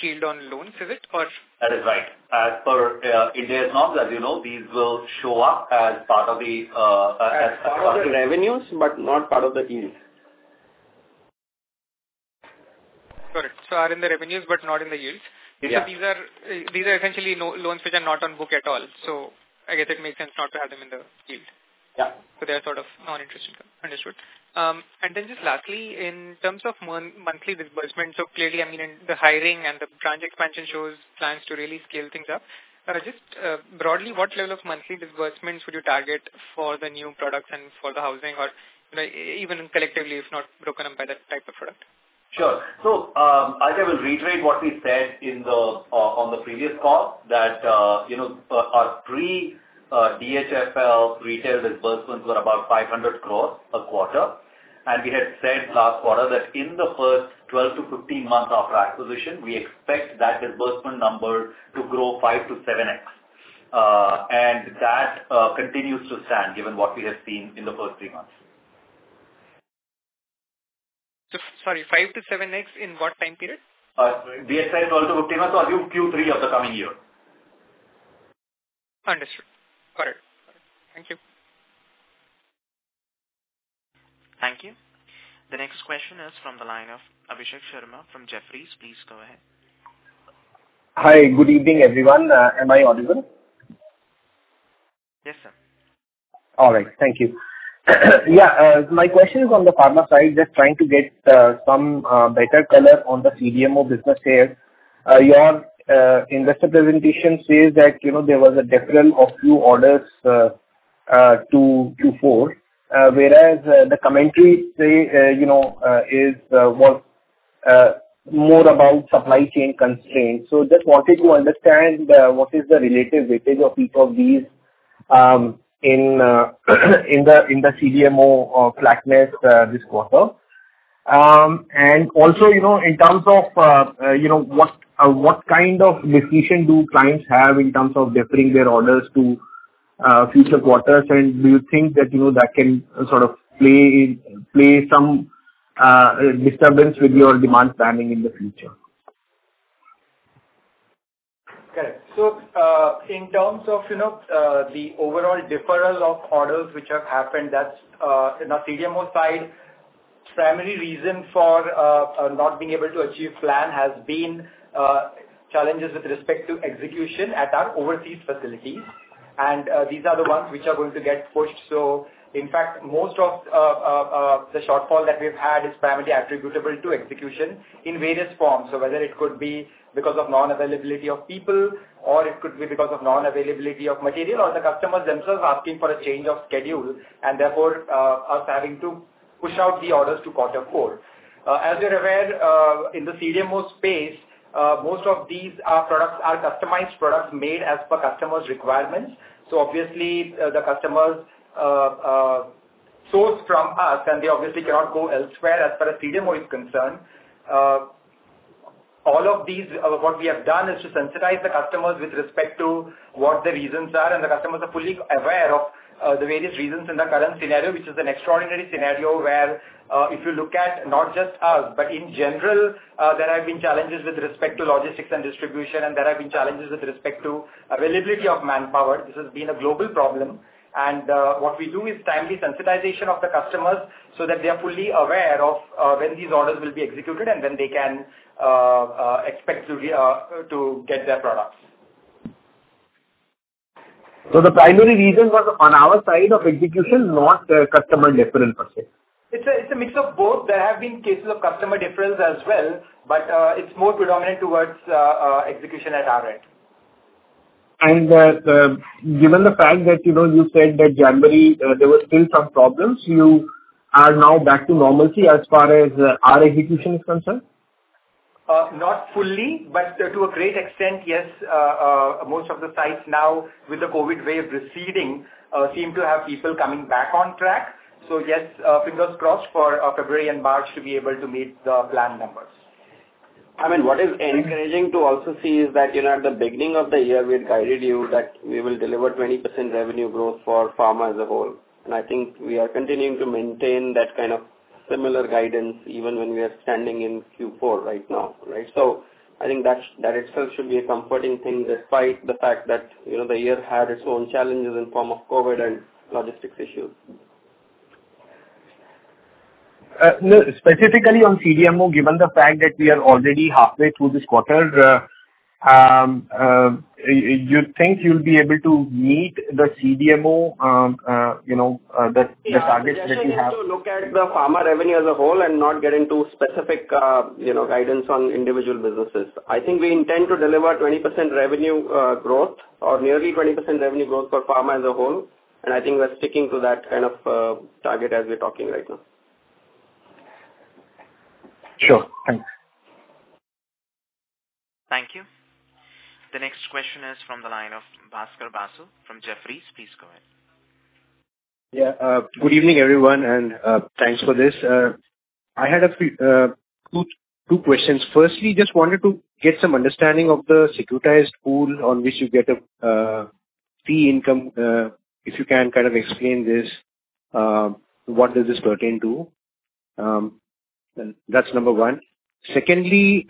yield on loans, is it? That is right. As per Indian norms, as you know, these will show up as part of the as. As part of the revenues, but not part of the yields. Are in the revenues but not in the yields. Yeah. These are essentially loans which are not on book at all. I guess it makes sense not to have them in the yield. Yeah. They are sort of non-interest income. Understood. Then just lastly, in terms of monthly disbursement. Clearly, I mean, in the hiring and the branch expansion shows plans to really scale things up. Just broadly, what level of monthly disbursements would you target for the new products and for the housing or, you know, even collectively, if not broken up by the type of product? Sure. I think I will reiterate what we said on the previous call that, you know, our pre DHFL retail disbursements were about 500 crore a quarter. We had said last quarter that in the first 12-15 months after acquisition, we expect that disbursement number to grow 5-7x. That continues to stand given what we have seen in the first 3 months. Sorry, 5-7x in what time period? DSI is also October, so I'll do Q3 of the coming year. Understood. Got it. Thank you. Thank you. The next question is from the line of Abhishek Sharma from Jefferies. Please go ahead. Hi. Good evening, everyone. Am I audible? Yes, sir. All right. Thank you. Yeah, my question is on the pharma side, just trying to get some better color on the CDMO business here. Your investor presentation says that, you know, there was a deferral of few orders to Q4. Whereas, the commentary says, you know, was more about supply chain constraints. Just wanted to understand, what is the relative weightage of each of these in the CDMO flatness this quarter. Also, you know, in terms of, you know, what kind of decision do clients have in terms of deferring their orders to future quarters? Do you think that, you know, that can sort of play some disturbance with your demand planning in the future? Okay. In terms of, you know, the overall deferral of orders which have happened, that's in our CDMO side, primary reason for not being able to achieve plan has been challenges with respect to execution at our overseas facilities. These are the ones which are going to get pushed. In fact, most of the shortfall that we've had is primarily attributable to execution in various forms. Whether it could be because of non-availability of people or it could be because of non-availability of material or the customers themselves asking for a change of schedule and therefore us having to push out the orders to quarter four. As you're aware, in the CDMO space, most of these products are customized products made as per customer's requirements. Obviously the customers source from us, and they obviously cannot go elsewhere as far as CDMO is concerned. All of these, what we have done is to sensitize the customers with respect to what the reasons are, and the customers are fully aware of the various reasons in the current scenario, which is an extraordinary scenario where, if you look at not just us, but in general, there have been challenges with respect to logistics and distribution, and there have been challenges with respect to availability of manpower. This has been a global problem. What we do is timely sensitization of the customers so that they are fully aware of when these orders will be executed and when they can expect to get their products. The primary reason was on our side of execution, not the customer deferral per se. It's a mix of both. There have been cases of customer deferrals as well, but it's more predominant towards execution at our end. Given the fact that, you know, you said that January, there were still some problems, you are now back to normalcy as far as our execution is concerned? Not fully, but to a great extent, yes. Most of the sites now with the COVID wave receding seem to have people coming back on track. Yes, fingers crossed for February and March to be able to meet the plan numbers. I mean, what is encouraging to also see is that, you know, at the beginning of the year, we had guided you that we will deliver 20% revenue growth for pharma as a whole. I think we are continuing to maintain that kind of similar guidance even when we are standing in Q4 right now, right? I think that itself should be a comforting thing, despite the fact that, you know, the year had its own challenges in form of COVID and logistics issues. No, specifically on CDMO, given the fact that we are already halfway through this quarter, you think you'll be able to meet the CDMO, you know, the targets that you have? Yeah. I definitely have to look at the pharma revenue as a whole and not get into specific, you know, guidance on individual businesses. I think we intend to deliver 20% revenue growth or nearly 20% revenue growth for pharma as a whole. I think we're sticking to that kind of target as we're talking right now. Sure. Thanks. Thank you. The next question is from the line of Bhaskar Basu from Jefferies. Please go ahead. Yeah. Good evening, everyone, and thanks for this. I had a few two questions. Firstly, just wanted to get some understanding of the securitized pool on which you get a fee income, if you can kind of explain this, what does this pertain to? That's number 1. Secondly,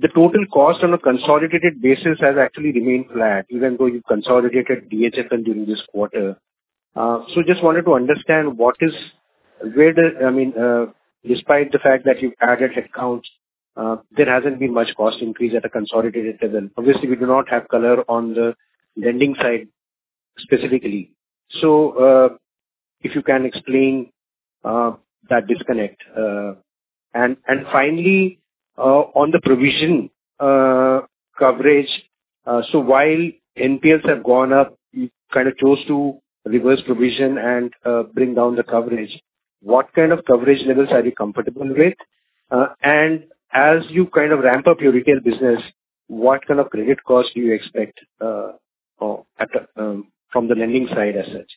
The total cost on a consolidated basis has actually remained flat even though you consolidated DHFL during this quarter. Just wanted to understand despite the fact that you've added accounts, there hasn't been much cost increase at a consolidated level. Obviously, we do not have color on the lending side specifically. If you can explain that disconnect. Finally, on the provision coverage, while NPLs have gone up, you kind of chose to reverse provision and bring down the coverage. What kind of coverage levels are you comfortable with? As you kind of ramp up your retail business, what kind of credit costs do you expect, or from the lending side as such?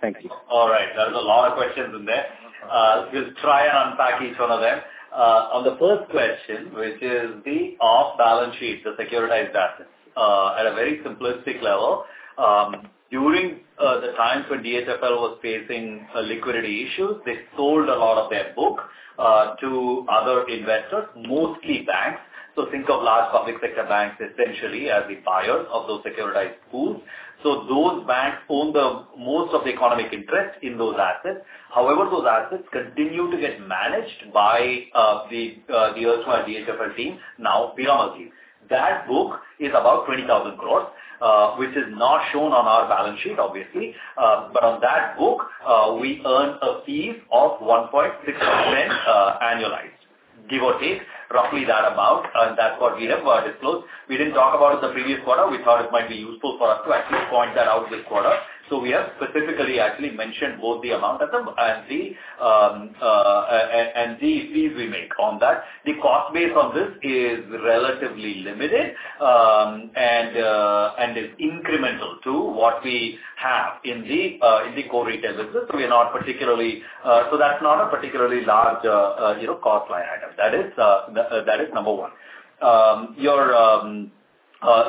Thank you. All right. There's a lot of questions in there. We'll try and unpack each one of them. On the first question, which is the off-balance sheet, the securitized assets. At a very simplistic level, during the time when DHFL was facing liquidity issues, they sold a lot of their book to other investors, mostly banks. Think of large public sector banks essentially as the buyers of those securitized pools. Those banks own the most of the economic interest in those assets. However, those assets continue to get managed by the erstwhile DHFL team, now Piramal team. That book is about 20,000 crore, which is not shown on our balance sheet, obviously. On that book, we earn a fee of 1.6% annualized, give or take, roughly that amount. That's what we have disclosed. We didn't talk about it the previous quarter. We thought it might be useful for us to actually point that out this quarter. We have specifically actually mentioned both the amount of them and the fees we make on that. The cost base on this is relatively limited and is incremental to what we have in the core retail business. We are not particularly. That's not a particularly large, you know, cost line item. That is number one.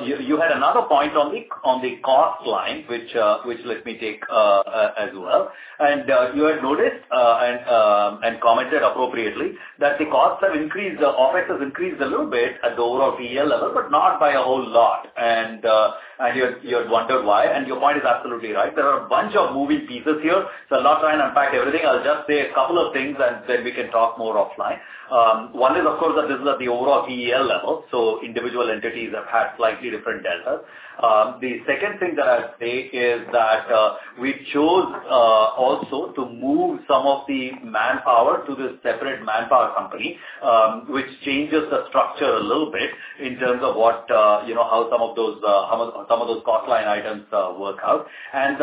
You had another point on the cost line, which let me take as well. You had noticed and commented appropriately that the costs have increased, the OpEx has increased a little bit at the overall PEL level, but not by a whole lot. You had wondered why, and your point is absolutely right. There are a bunch of moving pieces here, so I'll not try and unpack everything. I'll just say a couple of things, and then we can talk more offline. One is, of course, that this is at the overall PEL level, so individual entities have had slightly different deltas. The second thing that I'd say is that we chose also to move some of the manpower to this separate manpower company, which changes the structure a little bit in terms of what you know how some of those cost line items work out.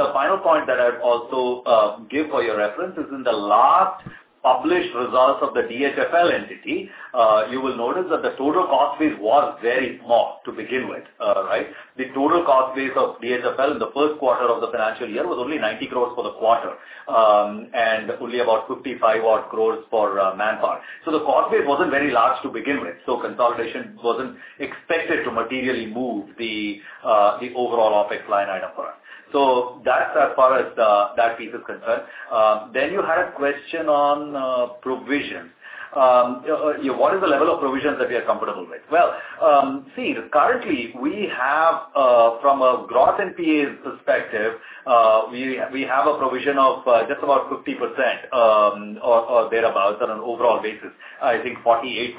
The final point that I'd also give for your reference is in the last published results of the DHFL entity, you will notice that the total cost base was very small to begin with, right. The total cost base of DHFL in the first quarter of the financial year was only 90 crore for the quarter, and only about 55 odd crore for manpower. The cost base wasn't very large to begin with, so consolidation wasn't expected to materially move the overall OpEx line item for us. That's as far as that piece is concerned. You had a question on provision. What is the level of provisions that we are comfortable with? Currently, from a gross NPA perspective, we have a provision of just about 50% or thereabouts on an overall basis. I think 48%.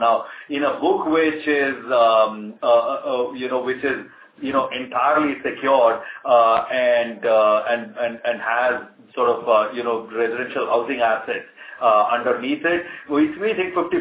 Now, in a book which is, you know, entirely secured, and has sort of, you know, residential housing assets underneath it, we think 50%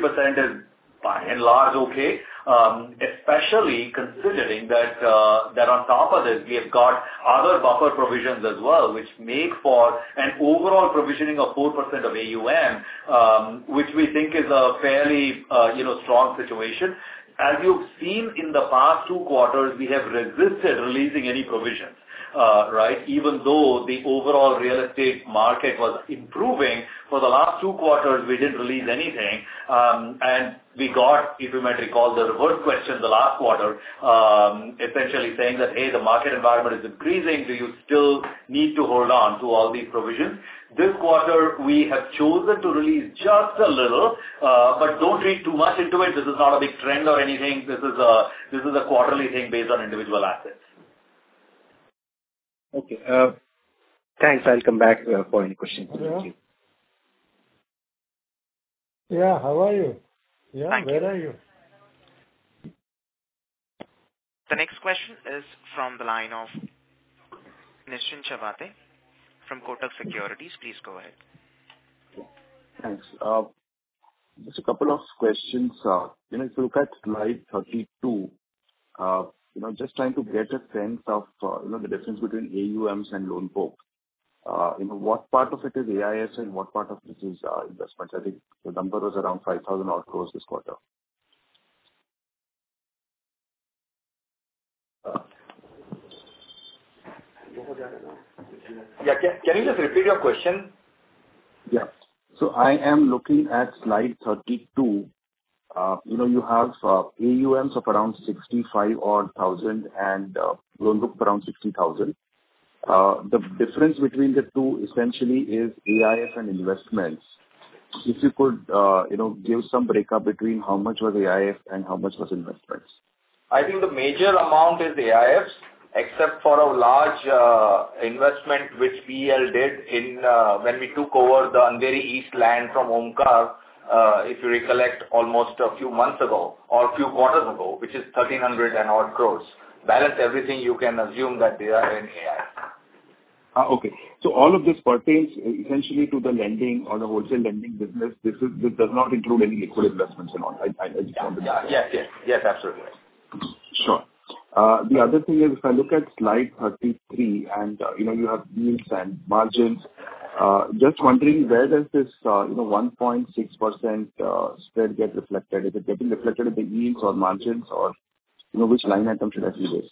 is by and large okay. Especially considering that on top of this, we have got other buffer provisions as well, which make for an overall provisioning of 4% of AUM, which we think is a fairly, you know, strong situation. As you've seen in the past two quarters, we have resisted releasing any provisions, right? Even though the overall real estate market was improving, for the last two quarters, we didn't release anything. We got, if you might recall, the reverse question the last quarter, essentially saying that, "Hey, the market environment is improving. Do you still need to hold on to all these provisions?" This quarter, we have chosen to release just a little, but don't read too much into it. This is not a big trend or anything. This is a quarterly thing based on individual assets. Okay. Thanks. I'll come back for any questions. Thank you. Yeah. How are you? Thank you. Yeah. Where are you? The next question is from the line of Nischint Chawathe from Kotak Securities. Please go ahead. Thanks. Just a couple of questions. You know, if you look at slide 32, you know, just trying to get a sense of, you know, the difference between AUMs and loan book. You know, what part of it is AIFs and what part of this is, investments? I think the number was around 5,000 odd crore this quarter. Yeah. Can you just repeat your question? I am looking at slide 32. You know, you have AUMs of around 65 odd thousand and loan book around 60 thousand. The difference between the two essentially is AIF and investments. If you could, you know, give some breakup between how much was AIF and how much was investments. I think the major amount is AIFs, except for a large investment which PEL did in when we took over the Andheri East land from Omkar, if you recollect, almost a few months ago or a few quarters ago, which is 1,300-odd crore. Balance everything you can assume that they are in AIF. Okay. All of this pertains essentially to the lending or the wholesale lending business. This does not include any liquid investments at all. I just want to be clear. Yeah. Yes, yes. Yes, absolutely. Sure. The other thing is, if I look at slide 33 and, you know, you have yields and margins, just wondering where does this, you know, 1.6% spread get reflected? Is it getting reflected in the yields or margins or, you know, which line item should I see this?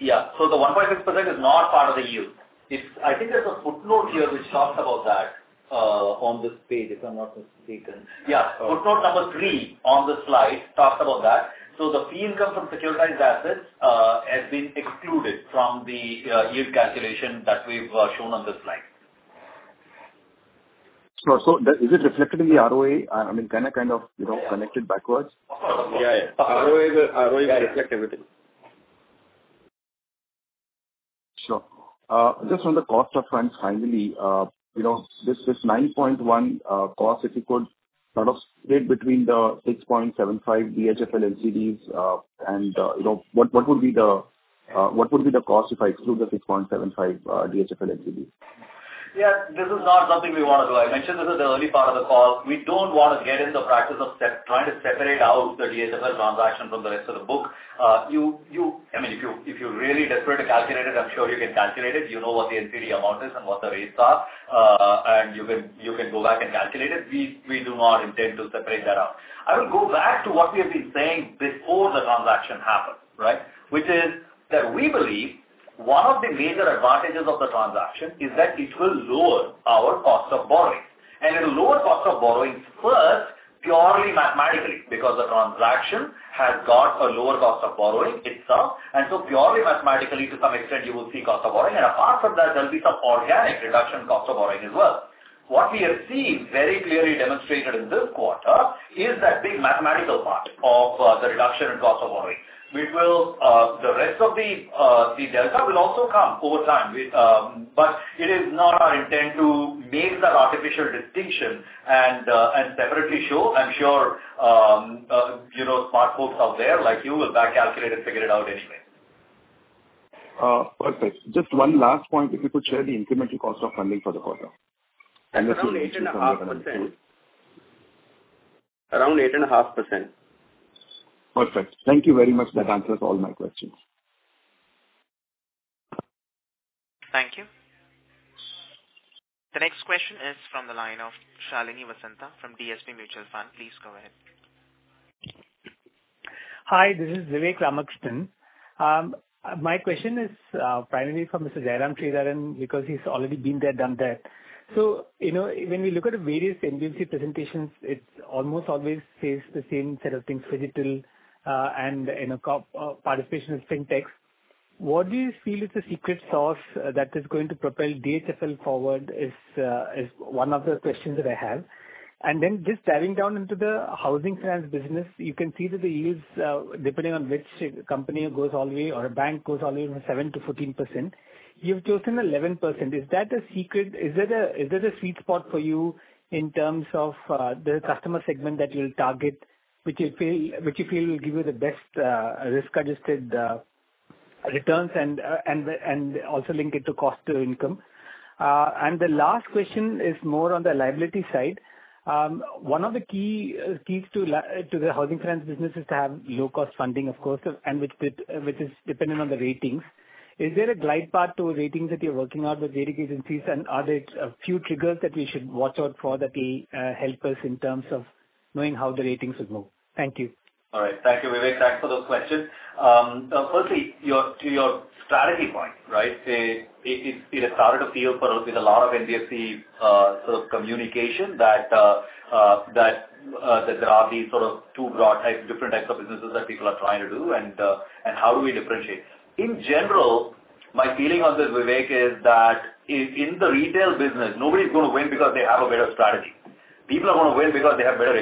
Yeah. The 1.6% is not part of the yield. It's. I think there's a footnote here which talks about that. On this page, if I'm not mistaken. Yeah. Footnote number three on the slide talks about that. The fee income from securitized assets has been excluded from the yield calculation that we've shown on this slide. Is it reflected in the ROA? I mean, can I kind of, you know, connect it backwards? Yeah. ROA will reflect everything. Sure. Just on the cost of funds finally, you know, this 9.1% cost, if you could sort of split between the 6.75% DHFL NCDs, and you know, what would be the cost if I exclude the 6.75% DHFL NCDs? Yeah. This is not something we wanna do. I mentioned this at the early part of the call. We don't wanna get in the practice of trying to separate out the DHFL transaction from the rest of the book. I mean, if you're really desperate to calculate it, I'm sure you can calculate it. You know what the NCD amount is and what the rates are. And you can go back and calculate it. We do not intend to separate that out. I will go back to what we have been saying before the transaction happened, right? Which is that we believe one of the major advantages of the transaction is that it will lower our cost of borrowing. It'll lower cost of borrowings first purely mathematically, because the transaction has got a lower cost of borrowing itself, and so purely mathematically to some extent you will see cost of borrowing. Apart from that, there'll be some organic reduction in cost of borrowing as well. What we have seen very clearly demonstrated in this quarter is that the mathematical part of the reduction in cost of borrowing, which will, the rest of the delta will also come over time. We but it is not our intent to make that artificial distinction and separately show. I'm sure, you know, smart folks out there like you will back calculate and figure it out anyway. Perfect. Just one last point. If you could share the incremental cost of funding for the quarter. Around 8.5%. Perfect. Thank you very much. That answers all my questions. Thank you. The next question is from the line of Shalini Vasanta from DSP Mutual Fund. Please go ahead. Hi, this is Vivek Ramakrishnan. My question is primarily for Mr. Jairam Sridharan because he's already been there, done that. You know, when we look at the various NBFC presentations, it almost always says the same set of things, digital, and, you know, co-participation in FinTech. What do you feel is the secret sauce that is going to propel DHFL forward is one of the questions that I have. Then just diving down into the housing finance business, you can see that the yields, depending on which company goes all the way or a bank goes all the way from 7%-14%. You've chosen 11%. Is that a secret? Is that a sweet spot for you in terms of the customer segment that you'll target, which you feel will give you the best risk-adjusted returns and also link it to cost to income? The last question is more on the liability side. One of the keys to the housing finance business is to have low cost funding, of course, and which is dependent on the ratings. Is there a glide path to ratings that you're working on with rating agencies? Are there a few triggers that we should watch out for that will help us in terms of knowing how the ratings would move? Thank you. All right. Thank you, Vivek. Thanks for those questions. Firstly, to your strategy point, right? It has started to feel for us with a lot of NBFC sort of communication that there are these sort of two broad types, different types of businesses that people are trying to do and how do we differentiate? In general, my feeling on this, Vivek, is that in the retail business, nobody's gonna win because they have a better strategy. People are gonna win because they have better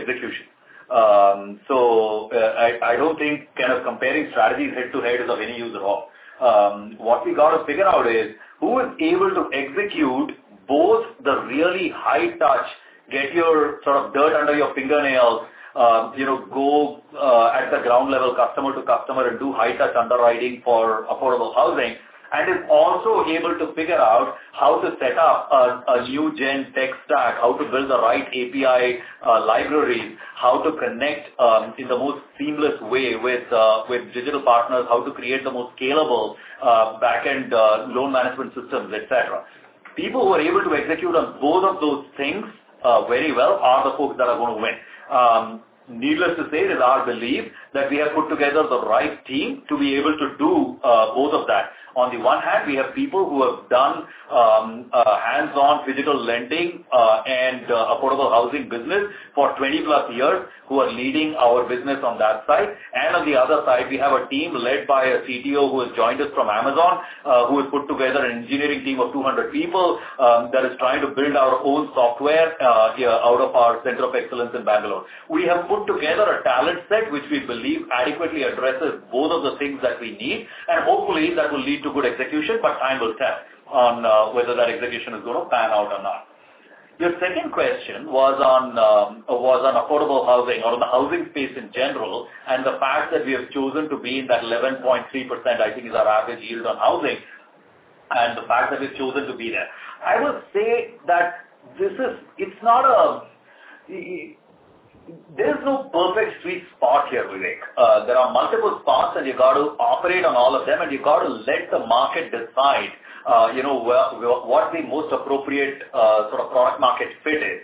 execution. I don't think kind of comparing strategies head-to-head is of any use at all. What we gotta figure out is who is able to execute both the really high touch, get your sort of dirt under your fingernails, you know, go at the ground level customer to customer and do high touch underwriting for affordable housing, and is also able to figure out how to set up a new gen tech stack, how to build the right API libraries, how to connect in the most seamless way with digital partners, how to create the most scalable backend loan management systems, et cetera. People who are able to execute on both of those things very well are the folks that are gonna win. Needless to say, it is our belief that we have put together the right team to be able to do both of that. On the one hand, we have people who have done hands-on physical lending, and affordable housing business for 20+ years who are leading our business on that side. On the other side, we have a team led by a CTO who has joined us from Amazon, who has put together an engineering team of 200 people, that is trying to build our own software, yeah, out of our center of excellence in Bangalore. We have put together a talent set which we believe adequately addresses both of the things that we need, and hopefully that will lead to good execution, but time will tell on whether that execution is gonna pan out or not. Your second question was on affordable housing or the housing space in general, and the fact that we have chosen to be in that 11.3%, I think, is our average yield on housing, and the fact that we've chosen to be there. I will say that this is not a perfect sweet spot here, Vivek. There are multiple spots, and you got to operate on all of them, and you got to let the market decide where what the most appropriate sort of product market fit is.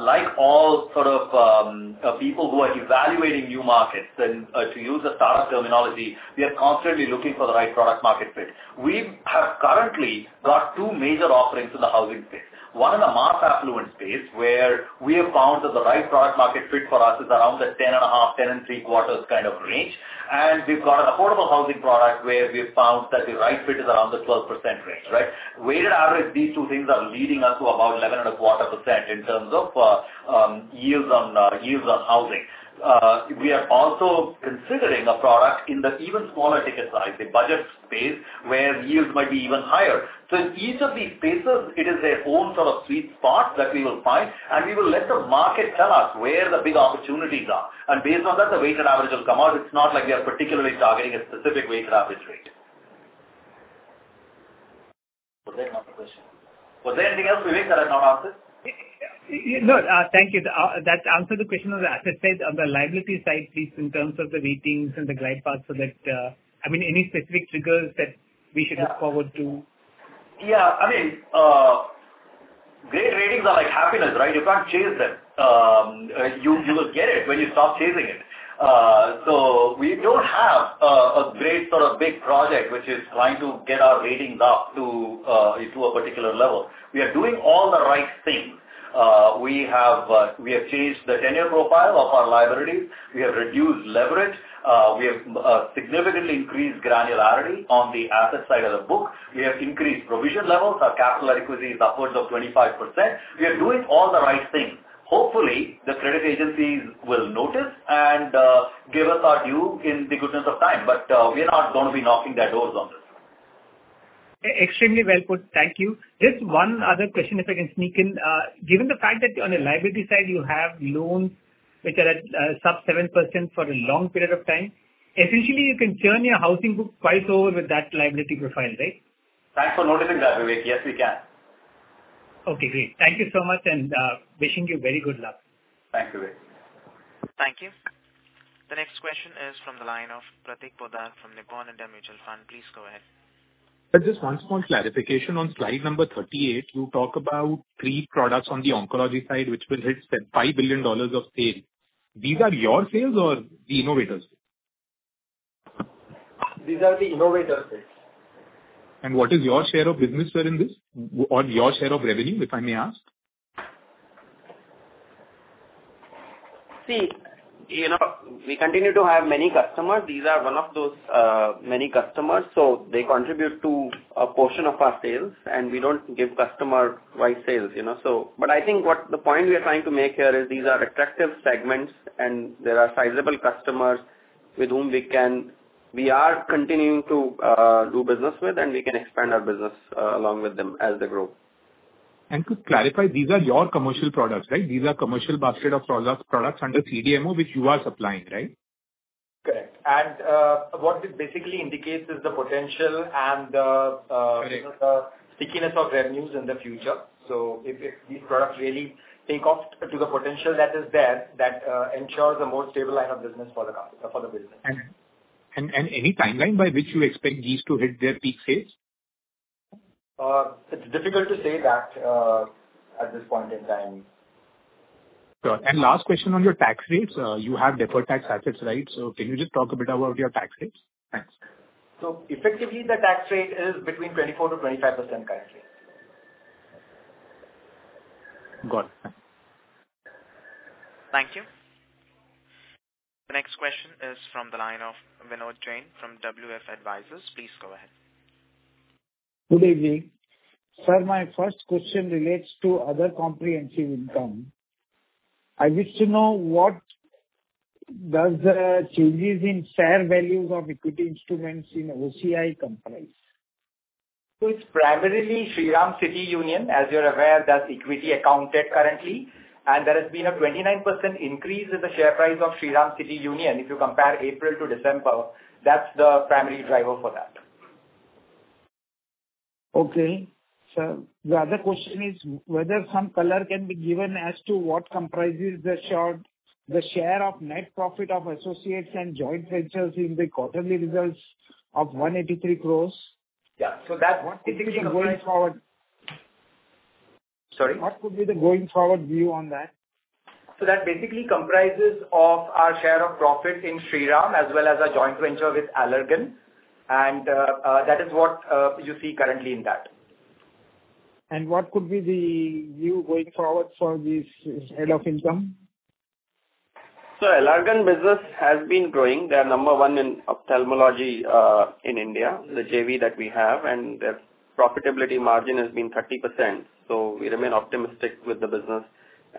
Like all sorts of people who are evaluating new markets, then to use a startup terminology, we are constantly looking for the right product market fit. We have currently got two major offerings in the housing space. One in the mass affluent space, where we have found that the right product market fit for us is around the 10.5, 10.75 kind of range. We've got an affordable housing product where we've found that the right fit is around the 12% range, right? Weighted average, these two things are leading us to about 11.25% in terms of yields on housing. We are also considering a product in the even smaller ticket size, the budget space, where yields might be even higher. In each of these spaces, it is their own sort of sweet spot that we will find, and we will let the market tell us where the big opportunities are. Based on that, the weighted average will come out. It's not like we are particularly targeting a specific weighted average rate. Was there another question? Was there anything else, Vivek, that I've not answered? Yeah. No, thank you. That answered the question. As I said, on the liability side, please, in terms of the ratings and the guide path, so that, I mean, any specific triggers that we should look forward to? Yeah. I mean, great ratings are like happiness, right? You can't chase them. You will get it when you stop chasing it. We don't have a great sort of big project which is trying to get our ratings up to a particular level. We are doing all the right things. We have changed the tenure profile of our liability. We have reduced leverage. We have significantly increased granularity on the asset side of the book. We have increased provision levels. Our capital adequacy is upwards of 25%. We are doing all the right things. Hopefully, the credit agencies will notice and give us our due in the goodness of time. We are not gonna be knocking their doors on this. Extremely well put. Thank you. Just one other question, if I can sneak in. Given the fact that on the liability side you have loans which are at sub 7% for a long period of time, essentially you can turn your housing book twice over with that liability profile, right? Thanks for noticing that, Vivek. Yes, we can. Okay, great. Thank you so much, and wishing you very good luck. Thanks, Vivek. Thank you. The next question is from the line of Prateek Poddar from Nippon India Mutual Fund. Please go ahead. Sir, just one small clarification. On slide number 38, you talk about three products on the oncology side which will hit $5 billion of sales. These are your sales or the innovator's sales? These are the innovator's sales. What is your share of business there in this? Or your share of revenue, if I may ask? See, you know, we continue to have many customers. These are one of those many customers. They contribute to a portion of our sales, and we don't give customer-wise sales, you know. I think what the point we are trying to make here is these are attractive segments, and there are sizable customers with whom we are continuing to do business with, and we can expand our business along with them as they grow. To clarify, these are your commercial products, right? These are commercial basket of products under CDMO which you are supplying, right? Correct. What it basically indicates is the potential and the Correct. You know, the stickiness of revenues in the future. If these products really take off to the potential that is there, that ensures a more stable line of business for the business. Any timeline by which you expect these to hit their peak sales? It's difficult to say that at this point in time. Sure. Last question on your tax rates. You have deferred tax assets, right? Can you just talk a bit about your tax rates? Thanks. Effectively, the tax rate is between 24%-25% currently. Got it. Thanks. Thank you. The next question is from the line of Vinod Jain from WF Advisors. Please go ahead. Good evening. Sir, my first question relates to other comprehensive income. I wish to know what does the changes in share values of equity instruments in OCI comprise? It's primarily Shriram City Union. As you're aware, that's equity accounted currently. There has been a 29% increase in the share price of Shriram City Union if you compare April to December. That's the primary driver for that. Okay. Sir, the other question is whether some color can be given as to what comprises the share of net profit of associates and joint ventures in the quarterly results of 183 crores. Yeah. What could be the way forward? Sorry? What would be the going forward view on that? That basically comprises of our share of profit in Shriram, as well as our joint venture with Allergan. That is what you see currently in that. What could be the view going forward for this head of income? Allergan business has been growing. They're number one in ophthalmology in India, the JV that we have, and their profitability margin has been 30%. We remain optimistic with the business.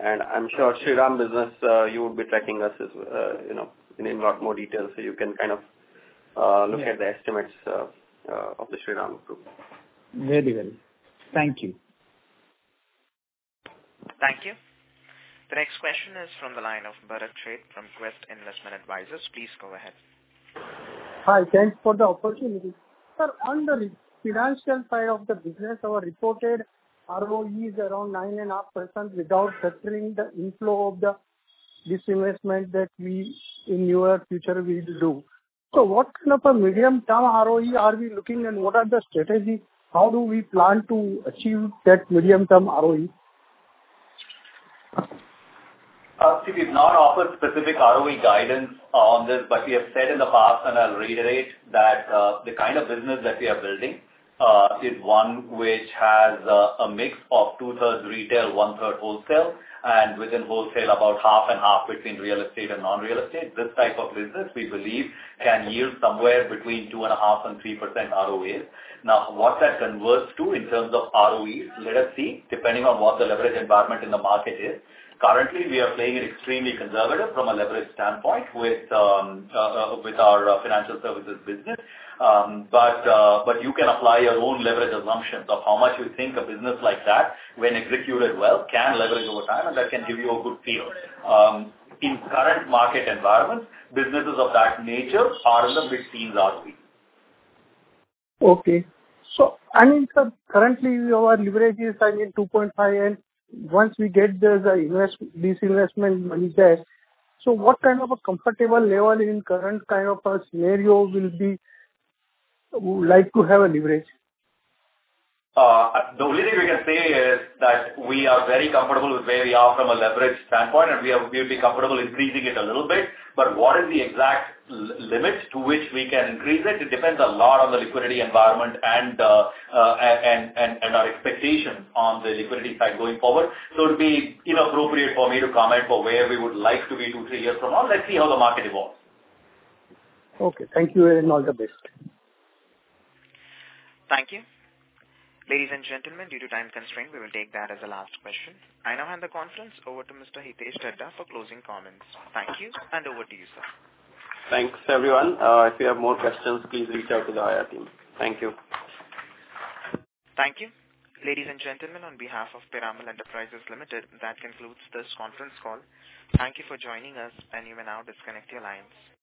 I'm sure Shriram business you will be tracking us as you know in a lot more detail, so you can kind of look at the estimates of the Shriram Group. Very well. Thank you. Thank you. The next question is from the line of Bharat Sheth from Quest Investment Advisors. Please go ahead. Hi. Thanks for the opportunity. Sir, on the financial side of the business our reported ROE is around 9.5% without factoring the inflow of the disinvestment that we in near future we'll do. What kind of a medium-term ROE are we looking and what are the strategy? How do we plan to achieve that medium-term ROE? We did not offer specific ROE guidance on this, but we have said in the past, and I'll reiterate, that the kind of business that we are building is one which has a mix of two-thirds retail, one-third wholesale, and within wholesale, about half and half between real estate and non-real estate. This type of business, we believe, can yield somewhere between 2.5%-3% ROE. Now, what that converts to in terms of ROE, let us see, depending on what the leverage environment in the market is. Currently, we are playing it extremely conservative from a leverage standpoint with our financial services business. You can apply your own leverage assumptions of how much you think a business like that when executed well can leverage over time, and that can give you a good feel. In current market environments, businesses of that nature are in the mid-teens ROE. Okay. I mean, sir, currently our leverage is, I mean, 2.5. Once we get the disinvestment money there, what kind of a comfortable level in current kind of a scenario will be, would like to have a leverage? The only thing we can say is that we are very comfortable with where we are from a leverage standpoint, and we are, we'll be comfortable increasing it a little bit. What is the exact limits to which we can increase it? It depends a lot on the liquidity environment and our expectations on the liquidity side going forward. It would be inappropriate for me to comment on where we would like to be 2, 3 years from now. Let's see how the market evolves. Okay. Thank you, and all the best. Thank you. Ladies and gentlemen, due to time constraint, we will take that as the last question. I now hand the conference over to Mr. Hitesh Dhaddha for closing comments. Thank you, and over to you, sir. Thanks, everyone. If you have more questions, please reach out to the IR team. Thank you. Thank you. Ladies and gentlemen, on behalf of Piramal Enterprises Limited, that concludes this conference call. Thank you for joining us, and you may now disconnect your lines.